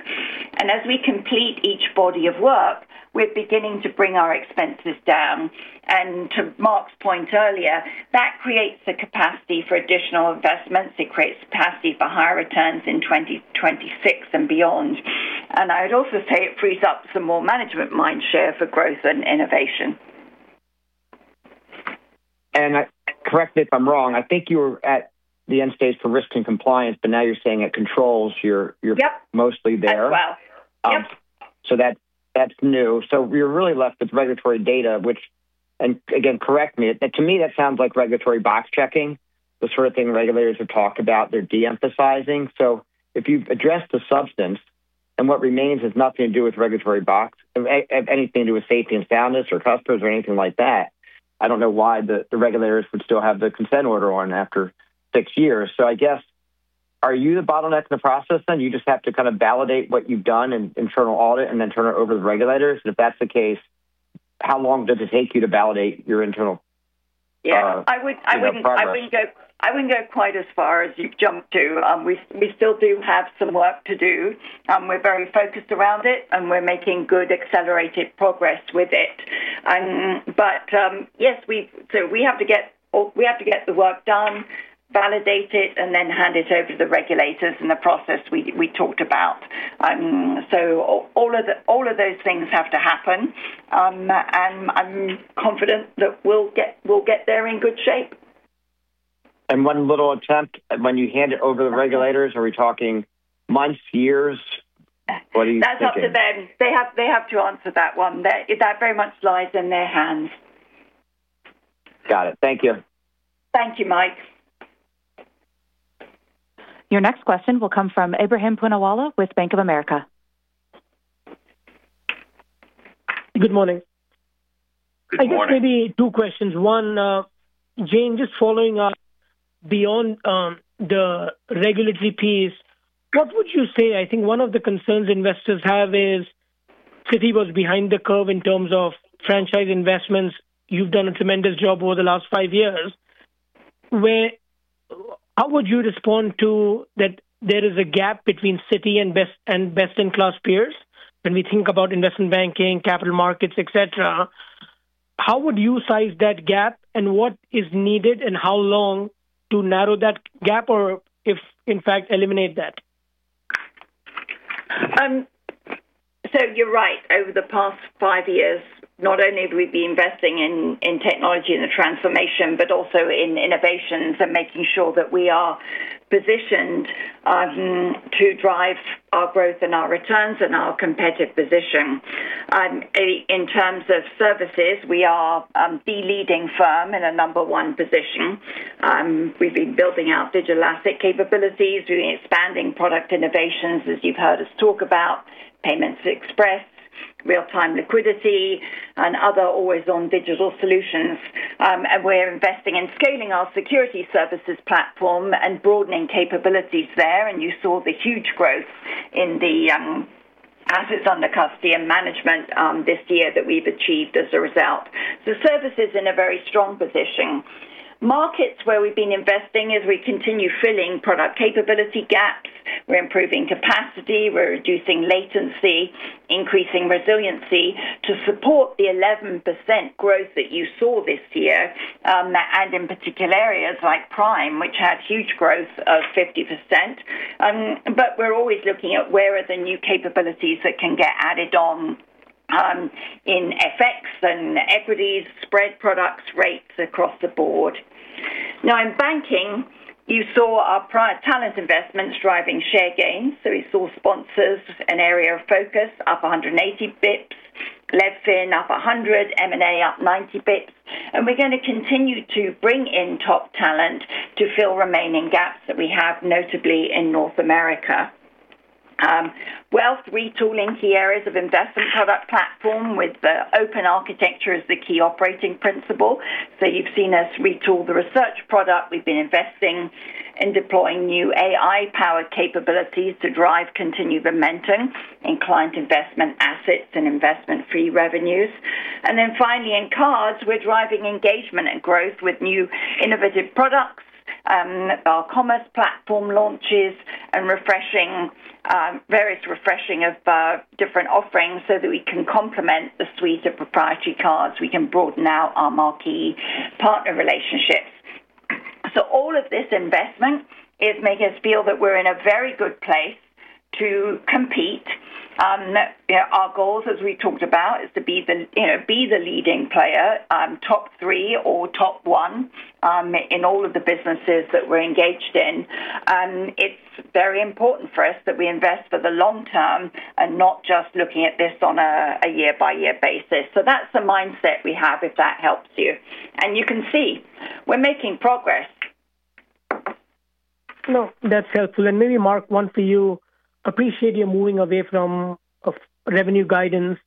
And as we complete each body of work, we're beginning to bring our expenses down. And to Mark's point earlier, that creates the capacity for additional investments. It creates capacity for higher returns in 2026 and beyond. And I would also say it frees up some more management mindshare for growth and innovation. And correct me if I'm wrong. I think you were at the end stage for risk and compliance, but now you're saying it controls. You're mostly there. Yep. That's new. So you're really left with regulatory data, which, and again, correct me. To me, that sounds like regulatory box checking, the sort of thing regulators have talked about. They're de-emphasizing. So if you've addressed the substance and what remains has nothing to do with regulatory box, anything to do with safety and soundness or customers or anything like that, I don't know why the regulators would still have the Consent Order on after six years. So I guess, are you the bottleneck in the process then? You just have to kind of validate what you've done and internal audit and then turn it over to the regulators? And if that's the case, how long does it take you to validate your internal? Yeah. I wouldn't go quite as far as you've jumped to. We still do have some work to do. We're very focused around it, and we're making good accelerated progress with it. But yes, so we have to get the work done, validate it, and then hand it over to the regulators in the process we talked about. So all of those things have to happen. And I'm confident that we'll get there in good shape. And one little attempt, when you hand it over to the regulators, are we talking months, years? What do you think? That's up to them. They have to answer that one. That very much lies in their hands. Got it. Thank you. Thank you, Mike. Your next question will come from Ebrahim Poonawala with Bank of America. Good morning. Good morning. I just maybe two questions. One, Jane, just following up beyond the regulatory piece, what would you say? I think one of the concerns investors have is Citi was behind the curve in terms of franchise investments. You've done a tremendous job over the last five years. How would you respond to that there is a gap between Citi and best-in-class peers? When we think about investment banking, capital Markets, etc., how would you size that gap, and what is needed, and how long to narrow that gap, or if in fact eliminate that? You're right. Over the past five years, not only have we been investing in technology and the transformation, but also in innovations and making sure that we are positioned to drive our growth and our returns and our competitive position. In terms of Services, we are the leading firm in a number one position. We've been building out digital asset capabilities, expanding product innovations, as you've heard us talk about, Payments Express, real-time liquidity, and other always-on digital solutions, and we're investing in scaling Securities Services platform and broadening capabilities there. And you saw the huge growth in the assets under custody and management this year that we've achieved as a result. So services in a very strong position. Markets where we've been investing as we continue filling product capability gaps. We're improving capacity. We're reducing latency, increasing resiliency to support the 11% growth that you saw this year, and in particular areas like prime, which had huge growth of 50%. But we're always looking at where are the new capabilities that can get added on in FX and equities, spread products, rates across the board. Now, in banking, you saw our prior talent investments driving share gains. So we saw sponsors, an area of focus, up 180 basis points, Levfin up 100, M&A up 90 basis points. And we're going to continue to bring in top talent to fill remaining gaps that we have, notably in North America. We're retooling key areas of investment product platform with the open architecture as the key operating principle. So you've seen us retool the research product. We've been investing in deploying new AI-powered capabilities to drive continued momentum in client investment assets and investment fee revenues. And then finally, in cards, we're driving engagement and growth with new innovative products, our commerce platform launches, and various refreshing of different offerings so that we can complement the suite of proprietary cards. We can broaden out our marquee partner relationships. So all of this investment is making us feel that we're in a very good place to compete. Our goals, as we talked about, is to be the leading player, top three or top one in all of the businesses that we're engaged in. It's very important for us that we invest for the long term and not just looking at this on a year-by-year basis. So that's the mindset we have, if that helps you. And you can see we're making progress. No, that's helpful. And maybe, Mark, I appreciate you're moving away from revenue guidance,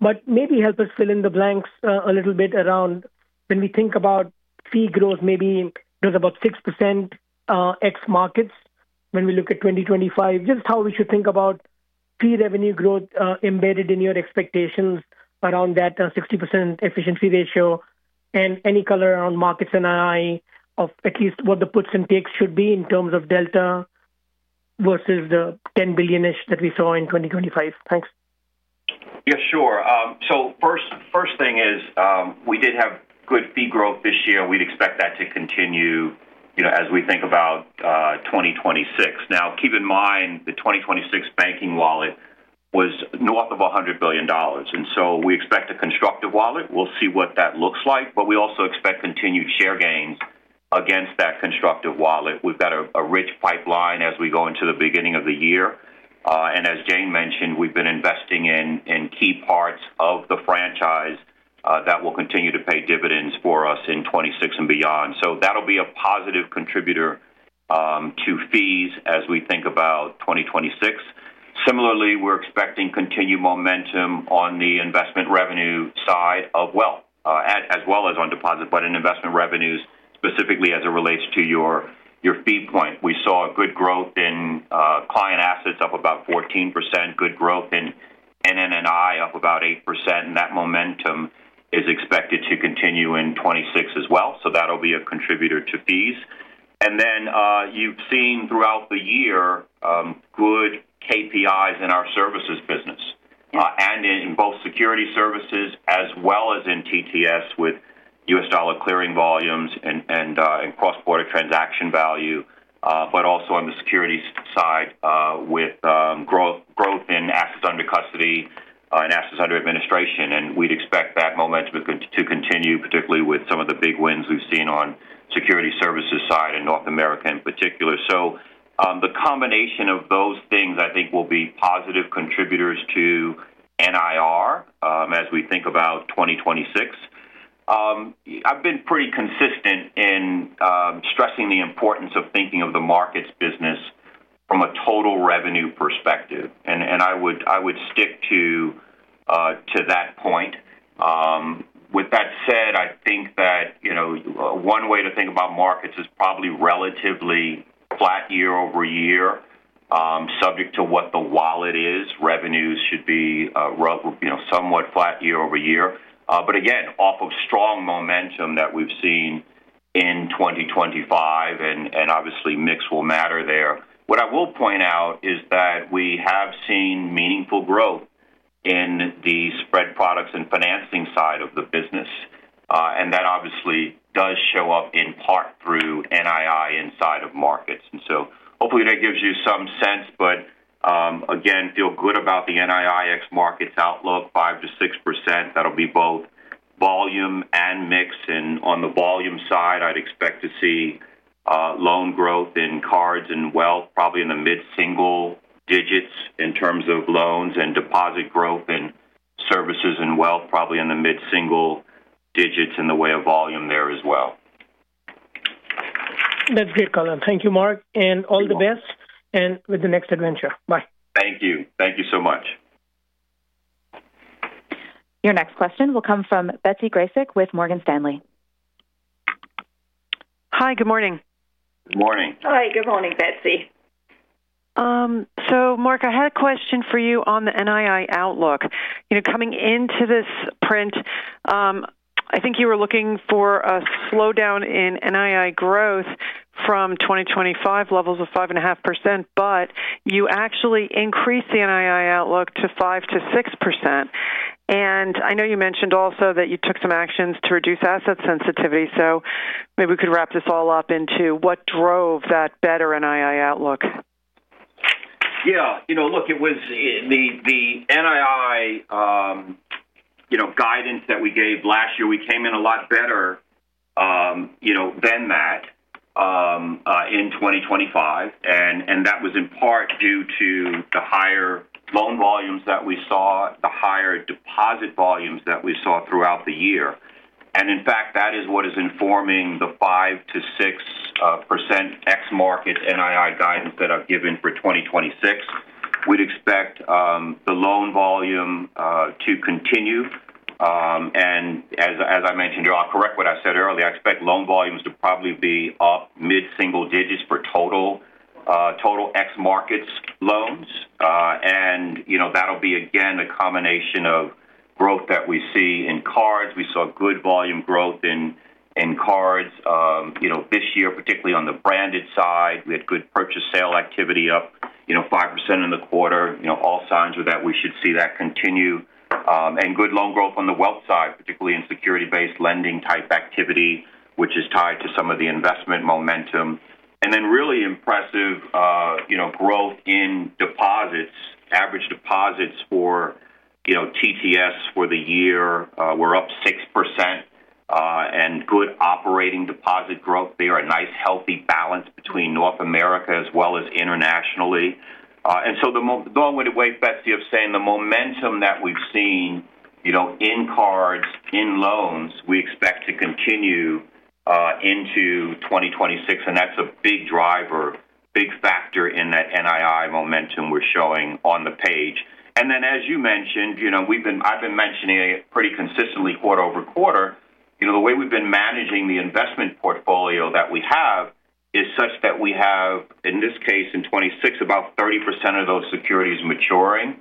but maybe help us fill in the blanks a little bit around when we think about fee growth, maybe there's about 6% ex-Markets when we look at 2025, just how we should think about fee revenue growth embedded in your expectations around that 60% efficiency ratio and any color on Markets and IB, or at least what the puts and takes should be in terms of delta versus the $10 billion-ish that we saw in 2025. Thanks. Yeah, sure. So first thing is we did have good fee growth this year. We'd expect that to continue as we think about 2026. Now, keep in mind the 2026 banking wallet was north of $100 billion, and so we expect a constructive wallet. We'll see what that looks like, but we also expect continued share gains against that constructive wallet. We've got a rich pipeline as we go into the beginning of the year, and as Jane mentioned, we've been investing in key parts of the franchise that will continue to pay dividends for us in 2026 and beyond, so that'll be a positive contributor to fees as we think about 2026. Similarly, we're expecting continued momentum on the investment revenue side of Wealth, as well as on deposits but in investment revenues, specifically as it relates to your fee point. We saw good growth in client assets of about 14%, good growth in NNIA of about 8%. That momentum is expected to continue in 2026 as well. That'll be a contributor to fees. You've seen throughout the year good KPIs in our services business and in Securities Services as well as in TTS with U.S. dollar clearing volumes and cross-border transaction value, but also on the security side with growth in assets under custody and assets under administration. We'd expect that momentum to continue, particularly with some of the big wins we've seen Securities Services side and North America in particular. The combination of those things, I think, will be positive contributors to NIR as we think about 2026. I've been pretty consistent in stressing the importance of thinking of the Markets business from a total revenue perspective. I would stick to that point. With that said, I think that one way to think about Markets is probably relatively flat year over year, subject to what the wallet is. Revenues should be somewhat flat year over year. But again, off of strong momentum that we've seen in 2025, and obviously, mix will matter there. What I will point out is that we have seen meaningful growth in the spread products and financing side of the business. And that obviously does show up in part through NII inside of Markets. And so hopefully that gives you some sense. But again, feel good about the NII ex Markets outlook, 5%-6%. That'll be both volume and mix. And on the volume side, I'd expect to see loan growth in cards and Wealth, probably in the mid-single digits in terms of loans and deposit growth in services and Wealth, probably in the mid-single digits in the way of volume there as well. That's great, color. Thank you, Mark. And all the best. And with the next adventure. Bye. Thank you. Thank you so much. Your next question will come from Betsy Graseck with Morgan Stanley. Hi, good morning. Good morning. Hi, good morning, Betsy. So, Mark, I had a question for you on the NII outlook. Coming into this print, I think you were looking for a slowdown in NII growth from 2025 levels of 5.5%, but you actually increased the NII outlook to 5%-6%. And I know you mentioned also that you took some actions to reduce asset sensitivity. So maybe we could wrap this all up into what drove that better NII outlook. Yeah. Look, it was the NII guidance that we gave last year. We came in a lot better than that in 2025. And that was in part due to the higher loan volumes that we saw, the higher deposit volumes that we saw throughout the year. And in fact, that is what is informing the 5%-6% ex-market NII guidance that I've given for 2026. We'd expect the loan volume to continue. And as I mentioned, I'll correct what I said earlier. I expect loan volumes to probably be up mid-single digits for total ex-Markets loans. And that'll be, again, a combination of growth that we see in cards. We saw good volume growth in cards this year, particularly on the branded side. We had good purchase sale activity up 5% in the quarter. All signs are that we should see that continue, and good loan growth on the Wealth side, particularly in security-based lending type activity, which is tied to some of the investment momentum, and then really impressive growth in deposits, average deposits for TTS for the year. We're up 6%, and good operating deposit growth. They are a nice healthy balance between North America as well as internationally, and so the moment we're way positive saying the momentum that we've seen in cards, in loans, we expect to continue into 2026, and that's a big driver, big factor in that NII momentum we're showing on the page, and then, as you mentioned, I've been mentioning it pretty consistently quarter over quarter. The way we've been managing the investment portfolio that we have is such that we have, in this case, in 2026, about 30% of those securities maturing.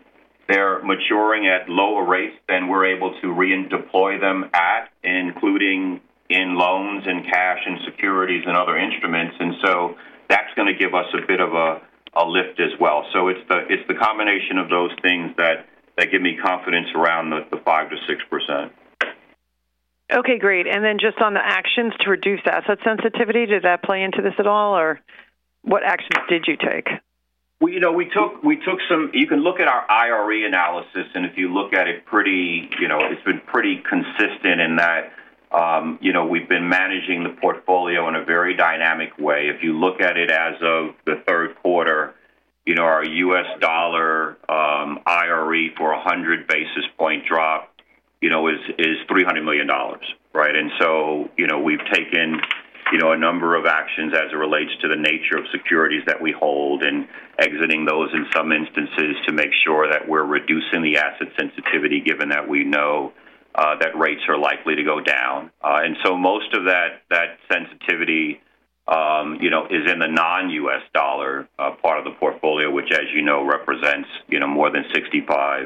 They're maturing at lower rates than we're able to redeploy them at, including in loans and cash and securities and other instruments. And so that's going to give us a bit of a lift as well. So it's the combination of those things that give me confidence around the 5%-6%. Okay, great. And then just on the actions to reduce asset sensitivity, did that play into this at all, or what actions did you take? We took some. You can look at our IRE analysis. And if you look at it, it's been pretty consistent in that we've been managing the portfolio in a very dynamic way. If you look at it as of the third quarter, our U.S. dollar IRE for 100 basis point drop is $300 million, right? And so we've taken a number of actions as it relates to the nature of securities that we hold and exiting those in some instances to make sure that we're reducing the asset sensitivity, given that we know that rates are likely to go down. And so most of that sensitivity is in the non-U.S. dollar part of the portfolio, which, as you know, represents more than 65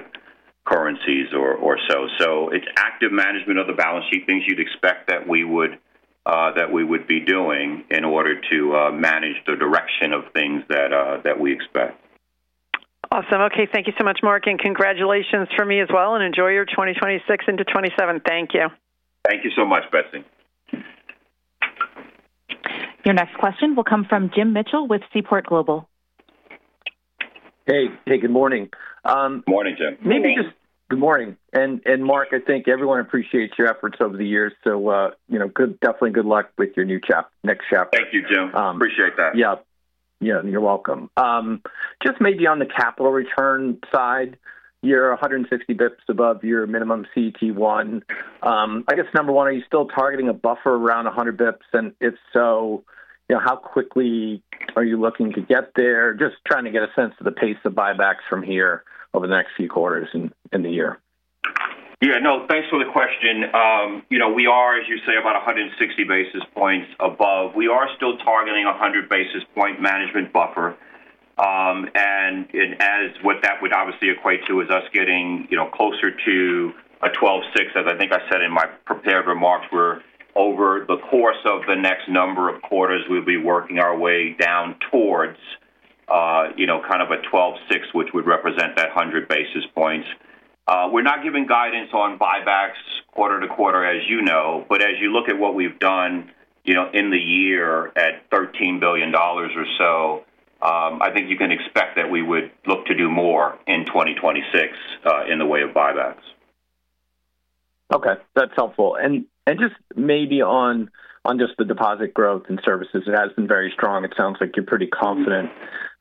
currencies or so. So it's active management of the balance sheet things you'd expect that we would be doing in order to manage the direction of things that we expect. Awesome. Okay, thank you so much, Mark. And congratulations from me as well. And enjoy your 2026 into 2027. Thank you. Thank you so much, Betsy. Your next question will come from Jim Mitchell with Seaport Global. Hey, good morning. Good morning, Jim. Good morning. Maybe just good morning. And Mark, I think everyone appreciates your efforts over the years. So definitely good luck with your next chapter. Thank you, Jim. Appreciate that. Yeah. Yeah, you're welcome. Just maybe on the capital return side, you're 160 basis points above your minimum CET1. I guess number one, are you still targeting a buffer around 100 basis points? And if so, how quickly are you looking to get there? Just trying to get a sense of the pace of buybacks from here over the next few quarters in the year. Yeah, no, thanks for the question. We are, as you say, about 160 basis points above. We are still targeting a 100 basis point management buffer. What that would obviously equate to is us getting closer to a 12.6, as I think I said in my prepared remarks, where over the course of the next number of quarters, we'll be working our way down towards kind of a 12.6, which would represent that 100 basis points. We're not giving guidance on buybacks quarter to quarter, as you know. As you look at what we've done in the year at $13 billion or so, I think you can expect that we would look to do more in 2026 in the way of buybacks. Okay. That's helpful. Just maybe on just the deposit growth and services, it has been very strong. It sounds like you're pretty confident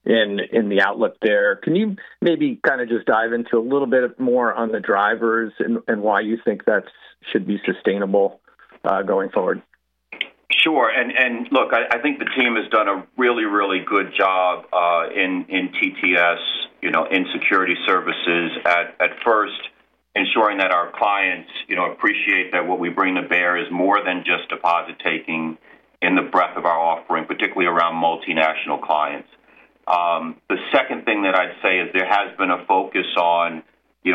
in the outlook there. Can you maybe kind of just dive into a little bit more on the drivers and why you think that should be sustainable going forward? Sure. And look, I think the team has done a really, really good job in TTS, in Securities Services, at first, ensuring that our clients appreciate that what we bring to bear is more than just deposit-taking in the breadth of our offering, particularly around multinational clients. The second thing that I'd say is there has been a focus on,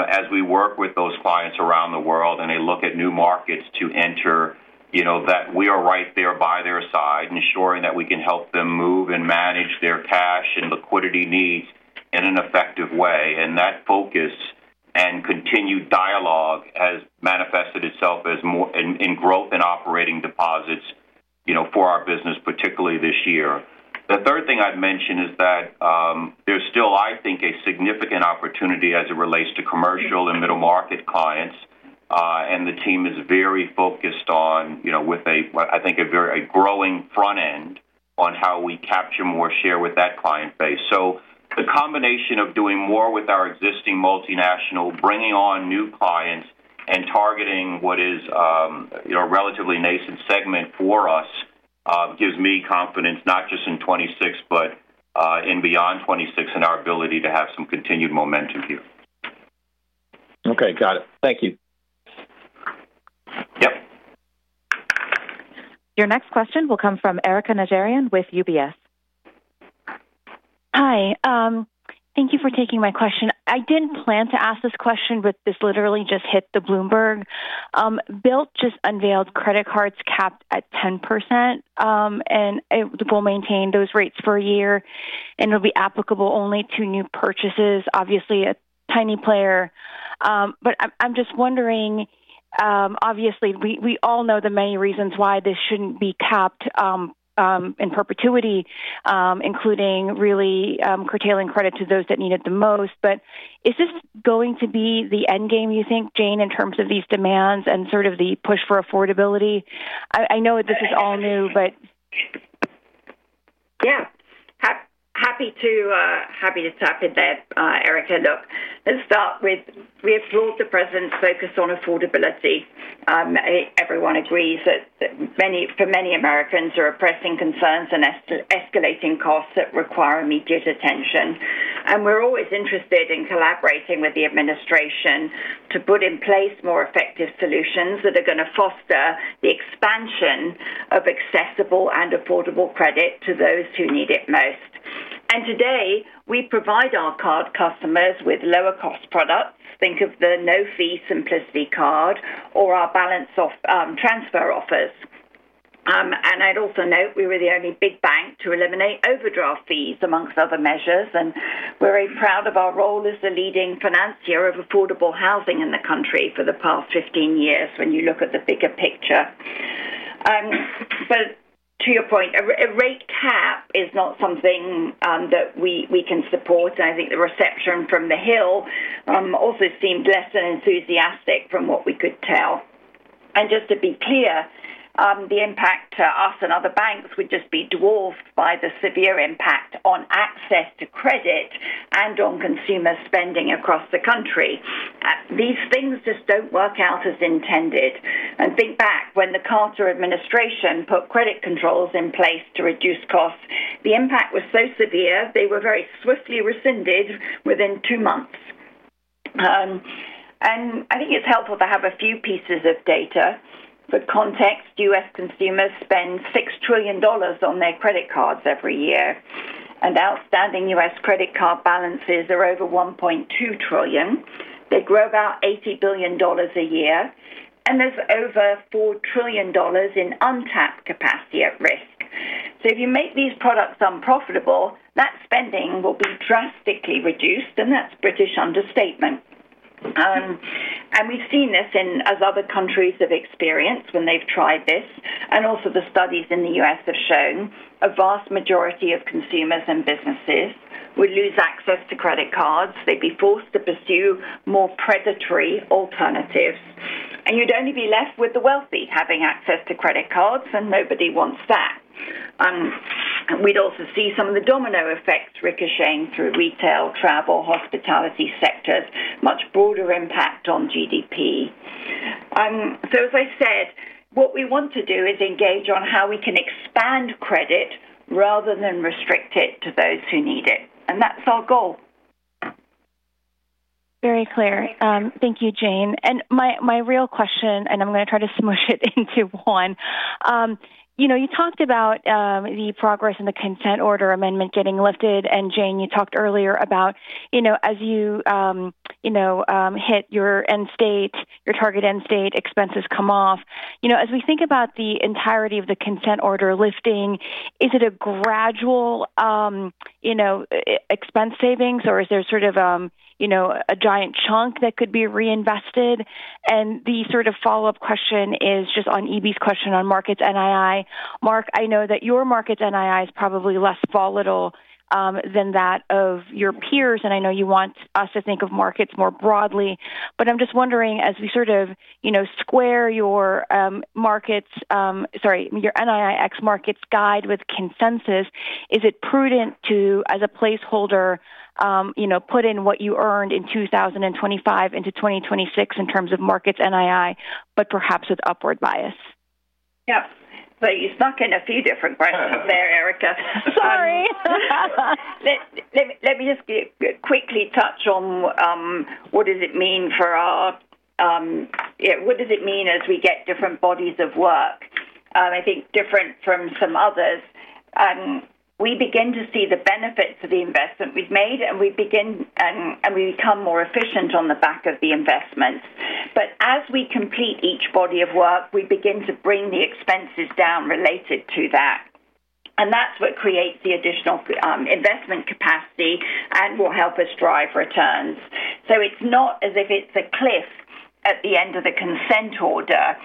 as we work with those clients around the world and they look at new Markets to enter, that we are right there by their side, ensuring that we can help them move and manage their cash and liquidity needs in an effective way. And that focus and continued dialogue has manifested itself in growth in operating deposits for our business, particularly this year. The third thing I'd mention is that there's still, I think, a significant opportunity as it relates to commercial and middle market clients. And the team is very focused on, with a, I think, a growing front end on how we capture more share with that client base. So the combination of doing more with our existing multinational, bringing on new clients, and targeting what is a relatively nascent segment for us gives me confidence, not just in 2026, but in beyond 2026, in our ability to have some continued momentum here. Okay. Got it. Thank you. Yep. Your next question will come from Erika Najarian with UBS. Hi. Thank you for taking my question. I didn't plan to ask this question, but this literally just hit the Bloomberg. Bilt just unveiled credit cards capped at 10%, and it will maintain those rates for a year. And it'll be applicable only to new purchases, obviously a tiny player. But I'm just wondering, obviously, we all know the many reasons why this shouldn't be capped in perpetuity, including really curtailing credit to those that need it the most. But is this going to be the end game, you think, Jane, in terms of these demands and sort of the push for affordability? I know this is all new, but. Yeah. Happy to tap into that, Erica. Look, let's start with we applaud the president's focus on affordability. Everyone agrees that for many Americans, there are pressing concerns and escalating costs that require immediate attention. And we're always interested in collaborating with the administration to put in place more effective solutions that are going to foster the expansion of accessible and affordable credit to those who need it most. Today, we provide our card customers with lower-cost products. Think of the no-fee Simplicity Card or our balance transfer offers. I'd also note we were the only big bank to eliminate overdraft fees among other measures. We're very proud of our role as the leading financier of affordable housing in the country for the past 15 years when you look at the bigger picture. To your point, a rate cap is not something that we can support. I think the reception from the Hill also seemed less than enthusiastic from what we could tell. Just to be clear, the impact to us and other banks would just be dwarfed by the severe impact on access to credit and on consumer spending across the country. These things just don't work out as intended. Think back when the Carter administration put credit controls in place to reduce costs. The impact was so severe, they were very swiftly rescinded within two months. I think it's helpful to have a few pieces of data. For context, U.S. consumers spend $6 trillion on their credit cards every year. Outstanding U.S. credit card balances are over $1.2 trillion. They grow about $80 billion a year. There's over $4 trillion in untapped capacity at risk. If you make these products unprofitable, that spending will be drastically reduced, and that's British understatement. We've seen this as other countries have experienced when they've tried this. Also the studies in the U.S. have shown a vast majority of consumers and businesses would lose access to credit cards. They'd be forced to pursue more predatory alternatives. You'd only be left with the Wealthy having access to credit cards, and nobody wants that. We'd also see some of the domino effects ricocheting through retail, travel, hospitality sectors, much broader impact on GDP. So as I said, what we want to do is engage on how we can expand credit rather than restrict it to those who need it. That's our goal. Very clear. Thank you, Jane. My real question, and I'm going to try to smoosh it into one. You talked about the progress in the consent order amendment getting lifted. Jane, you talked earlier about as you hit your end state, your target end state expenses come off. As we think about the entirety of the consent order lifting, is it a gradual expense savings, or is there sort of a giant chunk that could be reinvested? The sort of follow-up question is just on Betsy's question on Markets NII. Mark, I know that your Markets NII is probably less volatile than that of your peers. I know you want us to think of Markets more broadly. But I'm just wondering, as we sort of square your Markets - sorry, your NII ex-Markets guide with consensus - is it prudent to, as a placeholder, put in what you earned in 2025 into 2026 in terms of Markets NII, but perhaps with upward bias? Yep. But you've snuck in a few different questions there, Erica. Sorry. Let me just quickly touch on what does it mean for our - what does it mean as we get different bodies of work? I think different from some others. We begin to see the benefits of the investment we've made, and we become more efficient on the back of the investments. As we complete each body of work, we begin to bring the expenses down related to that. And that's what creates the additional investment capacity and will help us drive returns. So it's not as if it's a cliff at the end of the Consent Order.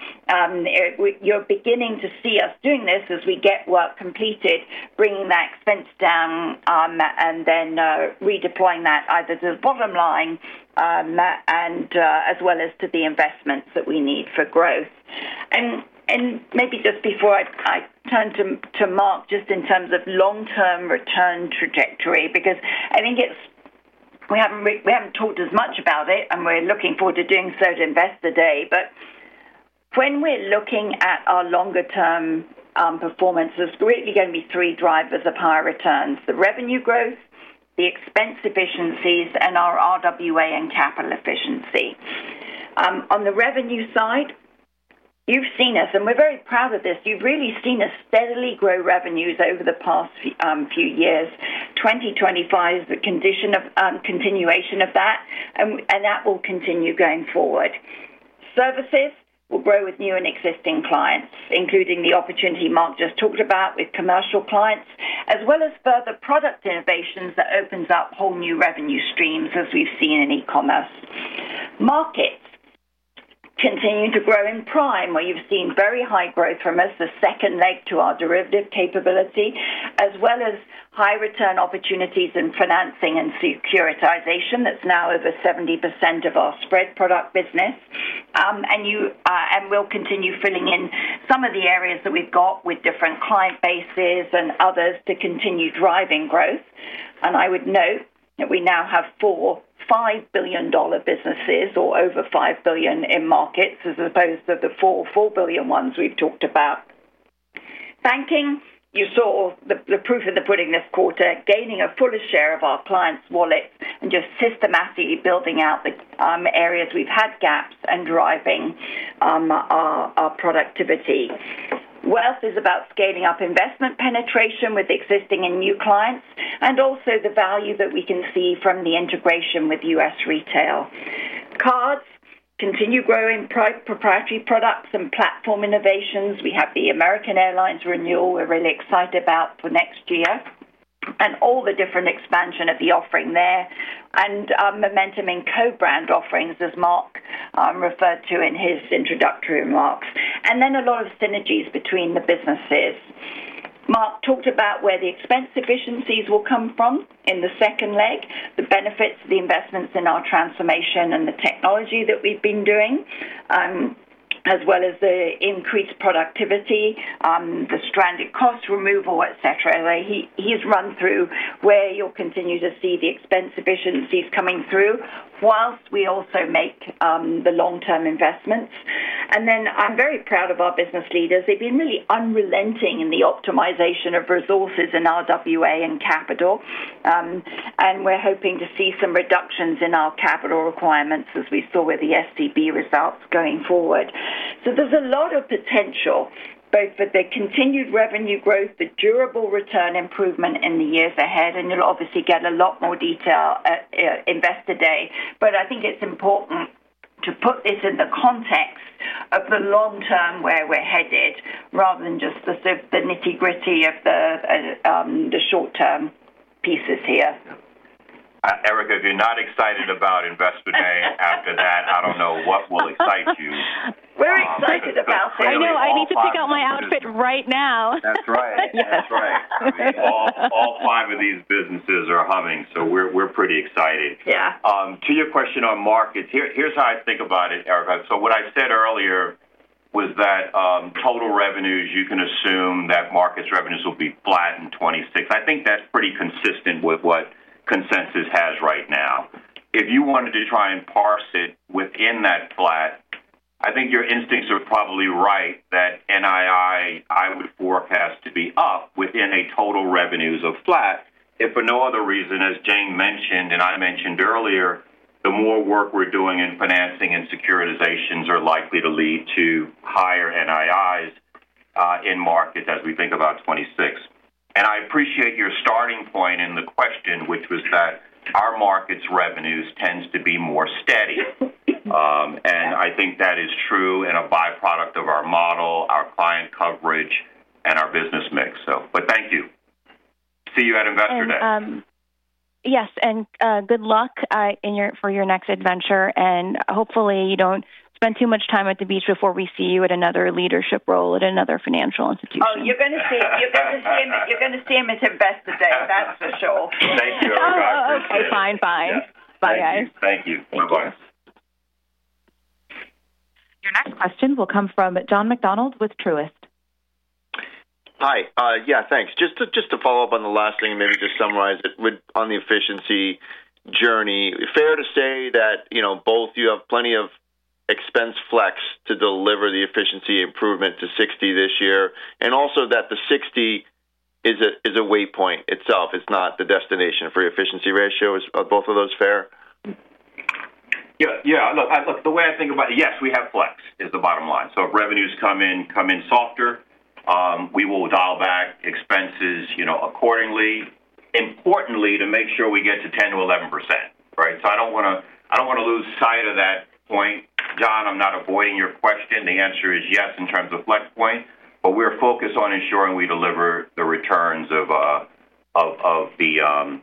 You're beginning to see us doing this as we get work completed, bringing that expense down, and then redeploying that either to the bottom line as well as to the investments that we need for growth. And maybe just before I turn to Mark, just in terms of long-term return trajectory, because I think we haven't talked as much about it, and we're looking forward to doing so to invest today. But when we're looking at our longer-term performance, there's greatly going to be three drivers of higher returns: the revenue growth, the expense efficiencies, and our RWA and capital efficiency. On the revenue side, you've seen us, and we're very proud of this. You've really seen us steadily grow revenues over the past few years. 2025 is the condition of continuation of that, and that will continue going forward. Services will grow with new and existing clients, including the opportunity Mark just talked about with commercial clients, as well as further product innovations that open up whole new revenue streams as we've seen in e-commerce. Markets continue to grow in prime, where you've seen very high growth from us, the second leg to our derivative capability, as well as high-return opportunities in financing and securitization. That's now over 70% of our spread product business, and we'll continue filling in some of the areas that we've got with different client bases and others to continue driving growth. I would note that we now have four $5 billion businesses or over $5 billion in Markets as opposed to the four $4 billion ones we've talked about. Banking, you saw the proof of the pudding this quarter, gaining a fuller share of our clients' wallets and just systematically building out the areas we've had gaps and driving our productivity. Wealth is about scaling up investment penetration with existing and new clients and also the value that we can see from the integration with U.S. retail. Cards, continue growing proprietary products and platform innovations. We have the American Airlines renewal we're really excited about for next year and all the different expansion of the offering there and momentum in co-brand offerings, as Mark referred to in his introductory remarks. Then a lot of synergies between the businesses. Mark talked about where the expense efficiencies will come from in the second leg, the benefits of the investments in our transformation and the technology that we've been doing, as well as the increased productivity, the stranded cost removal, etc. He's run through where you'll continue to see the expense efficiencies coming through while we also make the long-term investments, and then I'm very proud of our business leaders. They've been really unrelenting in the optimization of resources in RWA and capital, and we're hoping to see some reductions in our capital requirements as we saw with the GSIB results going forward. There's a lot of potential both for the continued revenue growth, the durable return improvement in the years ahead, and you'll obviously get a lot more detail at Investor Day. But I think it's important to put this in the context of the long term where we're headed rather than just the nitty-gritty of the short-term pieces here. Erika, if you're not excited about Investor Day after that, I don't know what will excite you. We're excited about it. I know. I need to pick out my outfit right now. That's right. That's right. All five of these businesses are humming, so we're pretty excited. To your question on Markets, here's how I think about it, Erika. So what I said earlier was that total revenues, you can assume that Markets revenues will be flat in 2026. I think that's pretty consistent with what consensus has right now. If you wanted to try and parse it within that flat, I think your instincts are probably right that NII, I would forecast to be up within a total revenues of flat. If for no other reason, as Jane mentioned and I mentioned earlier, the more work we're doing in financing and securitizations are likely to lead to higher NIIs in Markets as we think about 2026. And I appreciate your starting point in the question, which was that our Markets revenues tend to be more steady. And I think that is true and a byproduct of our model, our client coverage, and our business mix. But thank you. See you at Investor Day. Yes. And good luck for your next adventure. And hopefully, you don't spend too much time at the beach before we see you at another leadership role at another financial institution. Oh, you're going to see him. You're going to see him at Investor Day. That's for sure. Thank you. I'll be back. Okay. Fine. Bye. Bye, guys. Thank you. Thank you. Bye-bye. Your next question will come from John McDonald with Truist. Hi. Yeah. Thanks. Just to follow up on the last thing and maybe just summarize it on the efficiency journey, fair to say that both you have plenty of expense flex to deliver the efficiency improvement to 60% this year and also that the 60% is a waypoint itself. It's not the destination for efficiency ratio. Is both of those fair? Yeah. Yeah. Look, the way I think about it, yes, we have flex is the bottom line. So if revenues come in softer, we will dial back expenses accordingly. Importantly, to make sure we get to 10%-11%, right? So I don't want to lose sight of that point. John, I'm not avoiding your question. The answer is yes in terms of flex point, but we're focused on ensuring we deliver the returns of the 10%-11%.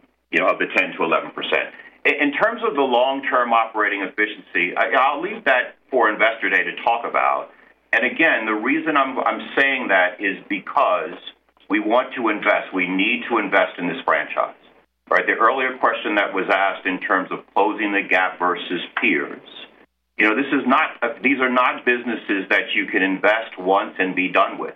In terms of the long-term operating efficiency, I'll leave that for Investor Day to talk about, and again, the reason I'm saying that is because we want to invest. We need to invest in this franchise, right? The earlier question that was asked in terms of closing the gap versus peers, these are not businesses that you can invest once and be done with.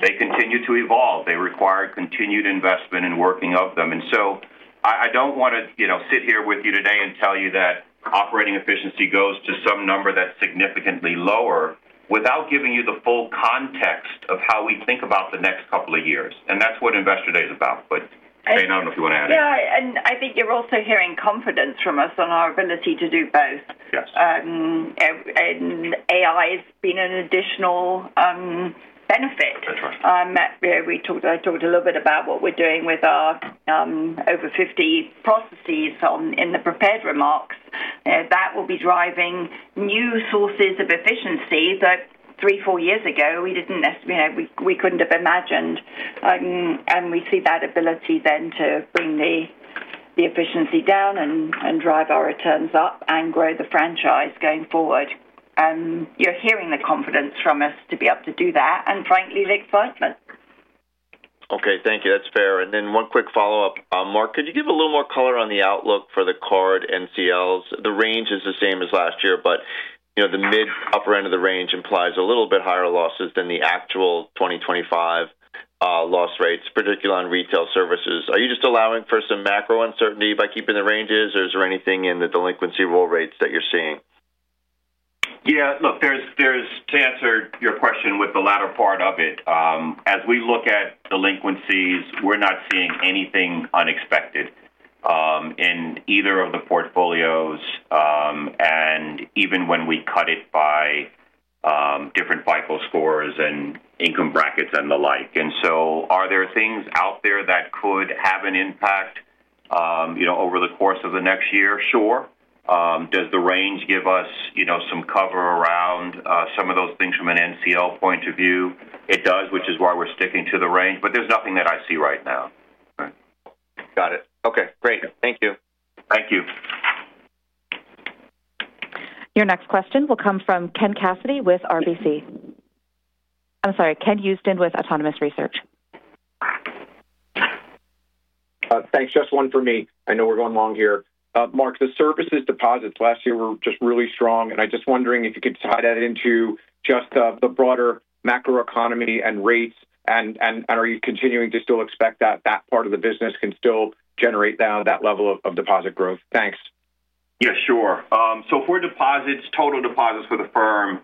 They continue to evolve. They require continued investment and working of them, and so I don't want to sit here with you today and tell you that operating efficiency goes to some number that's significantly lower without giving you the full context of how we think about the next couple of years, and that's what Investor Day is about. But Jane, I don't know if you want to add anything. Yeah. And I think you're also hearing confidence from us on our ability to do both. And AI has been an additional benefit. I talked a little bit about what we're doing with our over 50 processes in the prepared remarks. That will be driving new sources of efficiency that three, four years ago, we didn't necessarily—we couldn't have imagined. And we see that ability then to bring the efficiency down and drive our returns up and grow the franchise going forward. And you're hearing the confidence from us to be able to do that and, frankly, the excitement. Okay. Thank you. That's fair. And then one quick follow-up. Mark, could you give a little more color on the outlook for the card and ACLs? The range is the same as last year, but the mid-upper end of the range implies a little bit higher losses than the actual 2025 loss rates, particularly on Retail Services. Are you just allowing for some macro uncertainty by keeping the ranges, or is there anything in the delinquency and loss rates that you're seeing? Yeah. Look, to answer your question with the latter part of it, as we look at delinquencies, we're not seeing anything unexpected in either of the portfolios and even when we cut it by different FICO scores and income brackets and the like. And so are there things out there that could have an impact over the course of the next year? Sure. Does the range give us some cover around some of those things from an NCL point of view? It does, which is why we're sticking to the range. But there's nothing that I see right now. Okay. Got it. Okay. Great. Thank you. Thank you. Your next question will come from Ken Hill with Autonomous Research. Thanks. Just one for me. I know we're going long here. Mark, the services deposits last year were just really strong. And I'm just wondering if you could tie that into just the broader macroeconomy and rates. And are you continuing to still expect that that part of the business can still generate that level of deposit growth? Thanks. Yeah. Sure. So for deposits, total deposits for the firm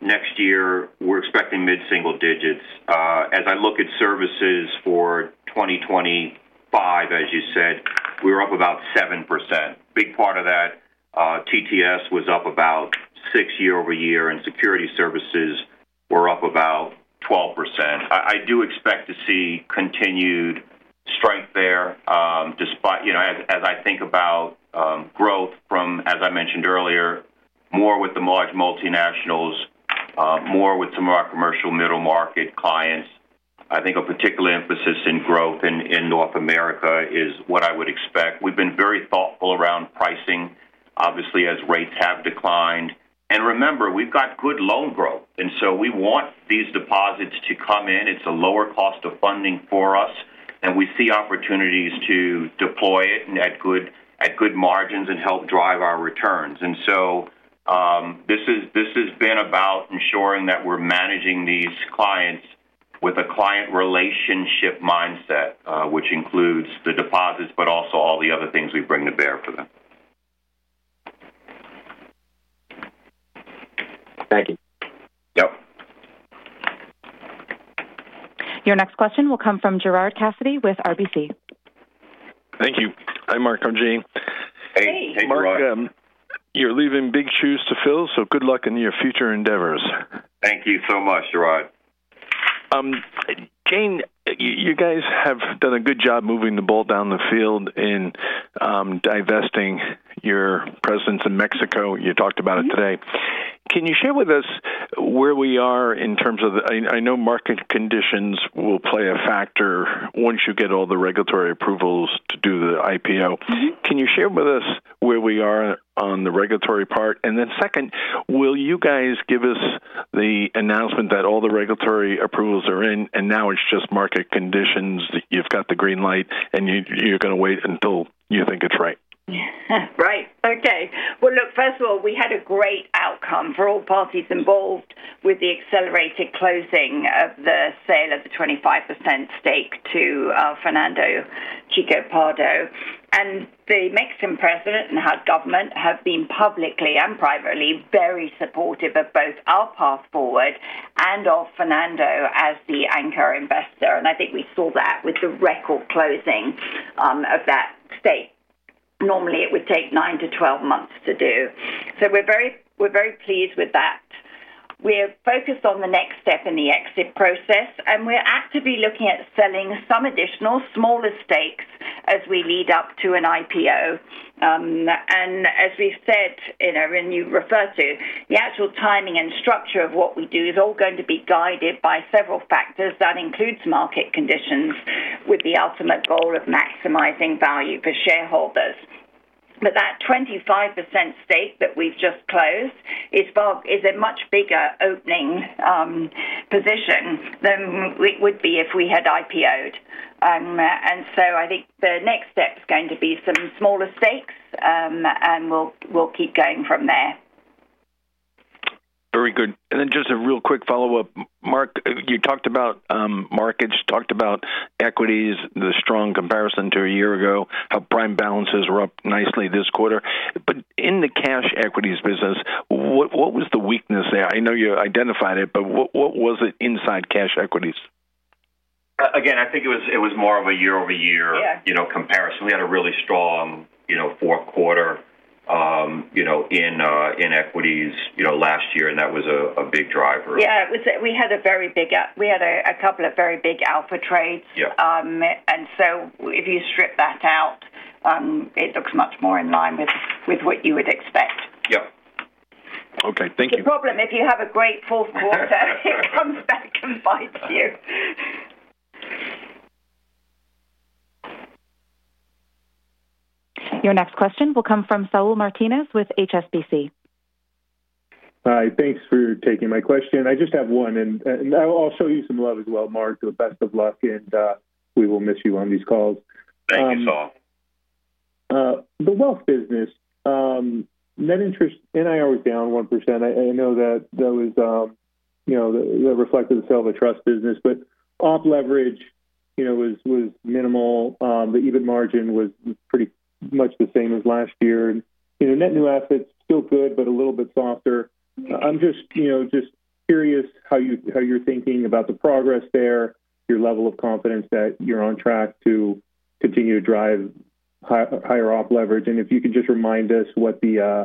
next year, we're expecting mid-single digits. As I look at services for 2025, as you said, we were up about 7%. Big part of that TTS was up about 6% year over year, Securities Services were up about 12%. I do expect to see continued strength there despite, as I think about growth from, as I mentioned earlier, more with the large multinationals, more with some of our commercial middle market clients. I think a particular emphasis in growth in North America is what I would expect. We've been very thoughtful around pricing, obviously, as rates have declined. And remember, we've got good loan growth. And so we want these deposits to come in. It's a lower cost of funding for us, and we see opportunities to deploy it at good margins and help drive our returns. And so this has been about ensuring that we're managing these clients with a client relationship mindset, which includes the deposits, but also all the other things we bring to bear for them. Thank you. Yep. Your next question will come from Gerard Cassidy with RBC. Thank you. Hi, Mark. I'm Jane. Hey, Mark. Hey, Mark. You're leaving big shoes to fill, so good luck in your future endeavors. Thank you so much, Gerard. Jane, you guys have done a good job moving the ball down the field in divesting your presence in Mexico. You talked about it today. Can you share with us where we are in terms of the. I know market conditions will play a factor once you get all the regulatory approvals to do the IPO. Can you share with us where we are on the regulatory part? And then second, will you guys give us the announcement that all the regulatory approvals are in, and now it's just market conditions, that you've got the green light, and you're going to wait until you think it's right? Right. Okay. Well, look, first of all, we had a great outcome for all parties involved with the accelerated closing of the sale of the 25% stake to Fernando Chico Pardo. And the Mexican president and her government have been publicly and privately very supportive of both our path forward and of Fernando as the anchor investor. And I think we saw that with the record closing of that stake. Normally, it would take 9-12 months to do. So we're very pleased with that. We're focused on the next step in the exit process, and we're actively looking at selling some additional smaller stakes as we lead up to an IPO. And as we've said, and you referred to, the actual timing and structure of what we do is all going to be guided by several factors. That includes market conditions with the ultimate goal of maximizing value for shareholders. But that 25% stake that we've just closed is a much bigger opening position than it would be if we had IPO'd. And so I think the next step is going to be some smaller stakes, and we'll keep going from there. Very good. And then just a real quick follow-up. Mark, you talked about Markets, talked about equities, the strong comparison to a year ago, how prime balances were up nicely this quarter. But in the cash equities business, what was the weakness there? I know you identified it, but what was it inside cash equities? Again, I think it was more of a year-over-year comparison. We had a really strong fourth quarter in equities last year, and that was a big driver. Yeah. We had a very big - we had a couple of very big alpha trades. And so if you strip that out, it looks much more in line with what you would expect. Yep. Okay. Thank you. No problem if you have a great fourth quarter. It comes back and bites you. Your next question will come from Saul Martinez with HSBC. Hi. Thanks for taking my question. I just have one. And I'll show you some love as well, Mark. Best of luck, and we will miss you on these calls. Thank Saul. The Wealth business, net interest, NIR was down 1%. I know that that was reflective of the sale of trust business, but op leverage was minimal. The revenue margin was pretty much the same as last year. Net new assets still good, but a little bit softer. I'm just curious how you're thinking about the progress there, your level of confidence that you're on track to continue to drive higher op leverage. And if you can just remind us what the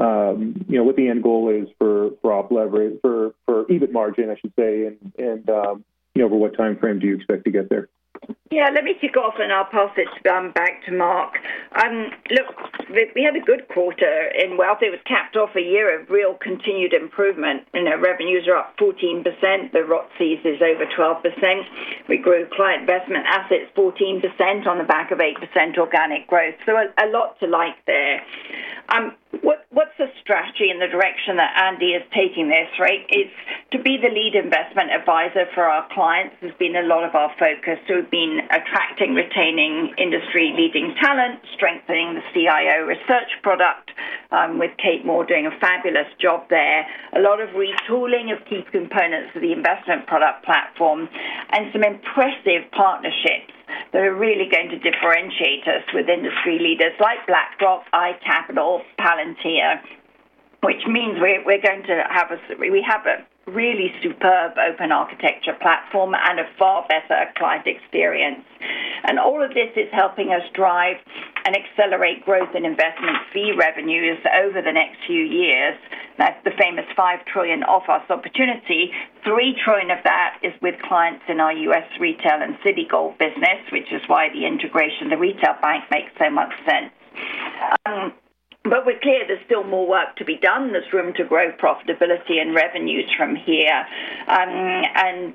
end goal is for op leverage, for even margin, I should say, and over what time frame do you expect to get there? Yeah. Let me kick off, and I'll pass it back to Mark. Look, we had a good quarter in Wealth. It was capped off a year of real continued improvement. Revenues are up 14%. The ROTCE is over 12%. We grew client investment assets 14% on the back of 8% organic growth. So a lot to like there. What's the strategy and the direction that Andy is taking this? Right? It's to be the lead investment advisor for our clients. It's been a lot of our focus. We've been attracting, retaining industry-leading talent, strengthening the CIO research product with Kate Moore doing a fabulous job there, a lot of retooling of key components of the investment product platform, and some impressive partnerships that are really going to differentiate us with industry leaders like BlackRock, iCapital, Palantir, which means we're going to have a, we have a really superb open architecture platform and a far better client experience. And all of this is helping us drive and accelerate growth in investment fee revenues over the next few years. That's the famous $5 trillion offer opportunity. $3 trillion of that is with clients in our U.S. retail and Citigold business, which is why the integration of the retail bank makes so much sense. But we're clear there's still more work to be done. There's room to grow profitability and revenues from here. Andy's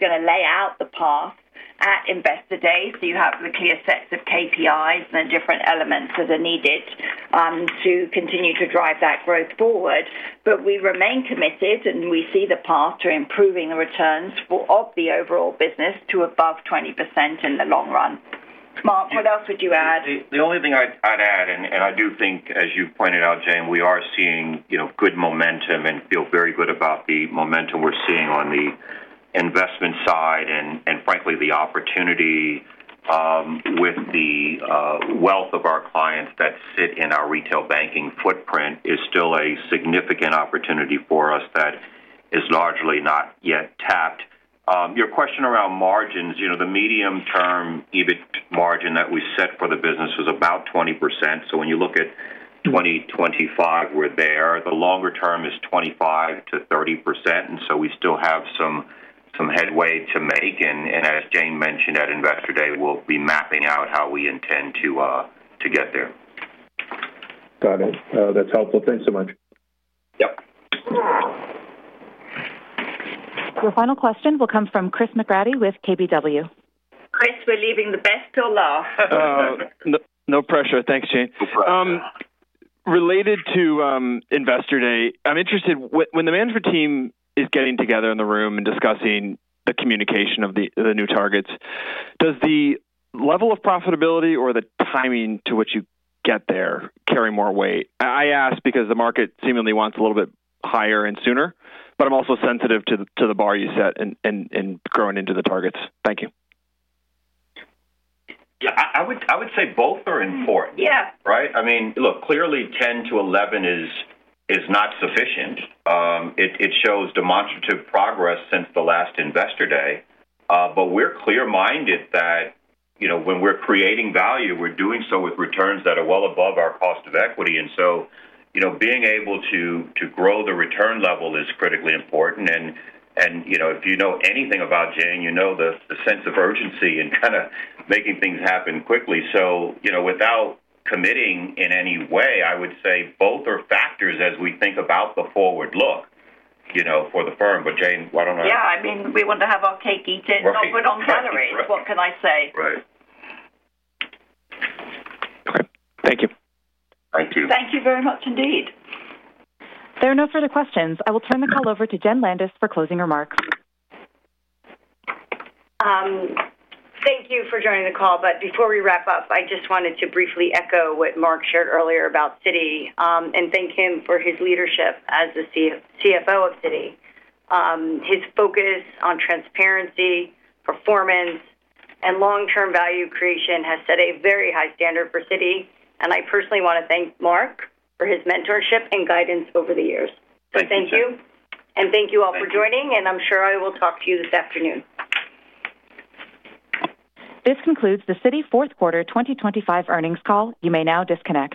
going to lay out the path at Investor Day. So you have the clear sets of KPIs and the different elements that are needed to continue to drive that growth forward. But we remain committed, and we see the path to improving the returns of the overall business to above 20% in the long run. Mark, what else would you add? The only thing I'd add, and I do think, as you pointed out, Jane, we are seeing good momentum and feel very good about the momentum we're seeing on the investment side. And frankly, the opportunity with the Wealth of our clients that sit in our Retail Banking footprint is still a significant opportunity for us that is largely not yet tapped. Your question around margins, the medium-term EBIT margin that we set for the business was about 20%. So when you look at 2025, we're there. The longer term is 25%-30%. And so we still have some headway to make. And as Jane mentioned at Investor Day, we'll be mapping out how we intend to get there. Got it. That's helpful. Thanks so much. Yep. Your final question will come from Chris McGratty with KBW. Chris, we're saving the best for last. No pressure. Thanks, Jane. No pressure. Related to Investor Day, I'm interested when the management team is getting together in the room and discussing the communication of the new targets, does the level of profitability or the timing to which you get there carry more weight? I ask because the market seemingly wants a little bit higher and sooner, but I'm also sensitive to the bar you set in growing into the targets. Thank you. Yeah. I would say both are important. Right? I mean, look, clearly 10-11 is not sufficient. It shows demonstrative progress since the last Investor Day. But we're clear-minded that when we're creating value, we're doing so with returns that are well above our cost of equity. And so being able to grow the return level is critically important. And if you know anything about Jane, you know the sense of urgency in kind of making things happen quickly. So without committing in any way, I would say both are factors as we think about the forward look for the firm. But Jane, why don't I? Yeah. I mean, we want to have our cake eaten and not put on calories. What can I say? Right. Okay. Thank you. Thank you. Thank you very much indeed. There are no further questions. I will turn the call over to Jen Landis for closing remarks. Thank you for joining the call. But before we wrap up, I just wanted to briefly echo what Mark shared earlier about Citi and thank him for his leadership as the CFO of Citi. His focus on transparency, performance, and long-term value creation has set a very high standard for Citi. And I personally want to thank Mark for his mentorship and guidance over the years. Thank you. And thank you all for joining. And I'm sure I will talk to you this afternoon. This concludes the Citi Fourth Quarter 2025 earnings call. You may now disconnect.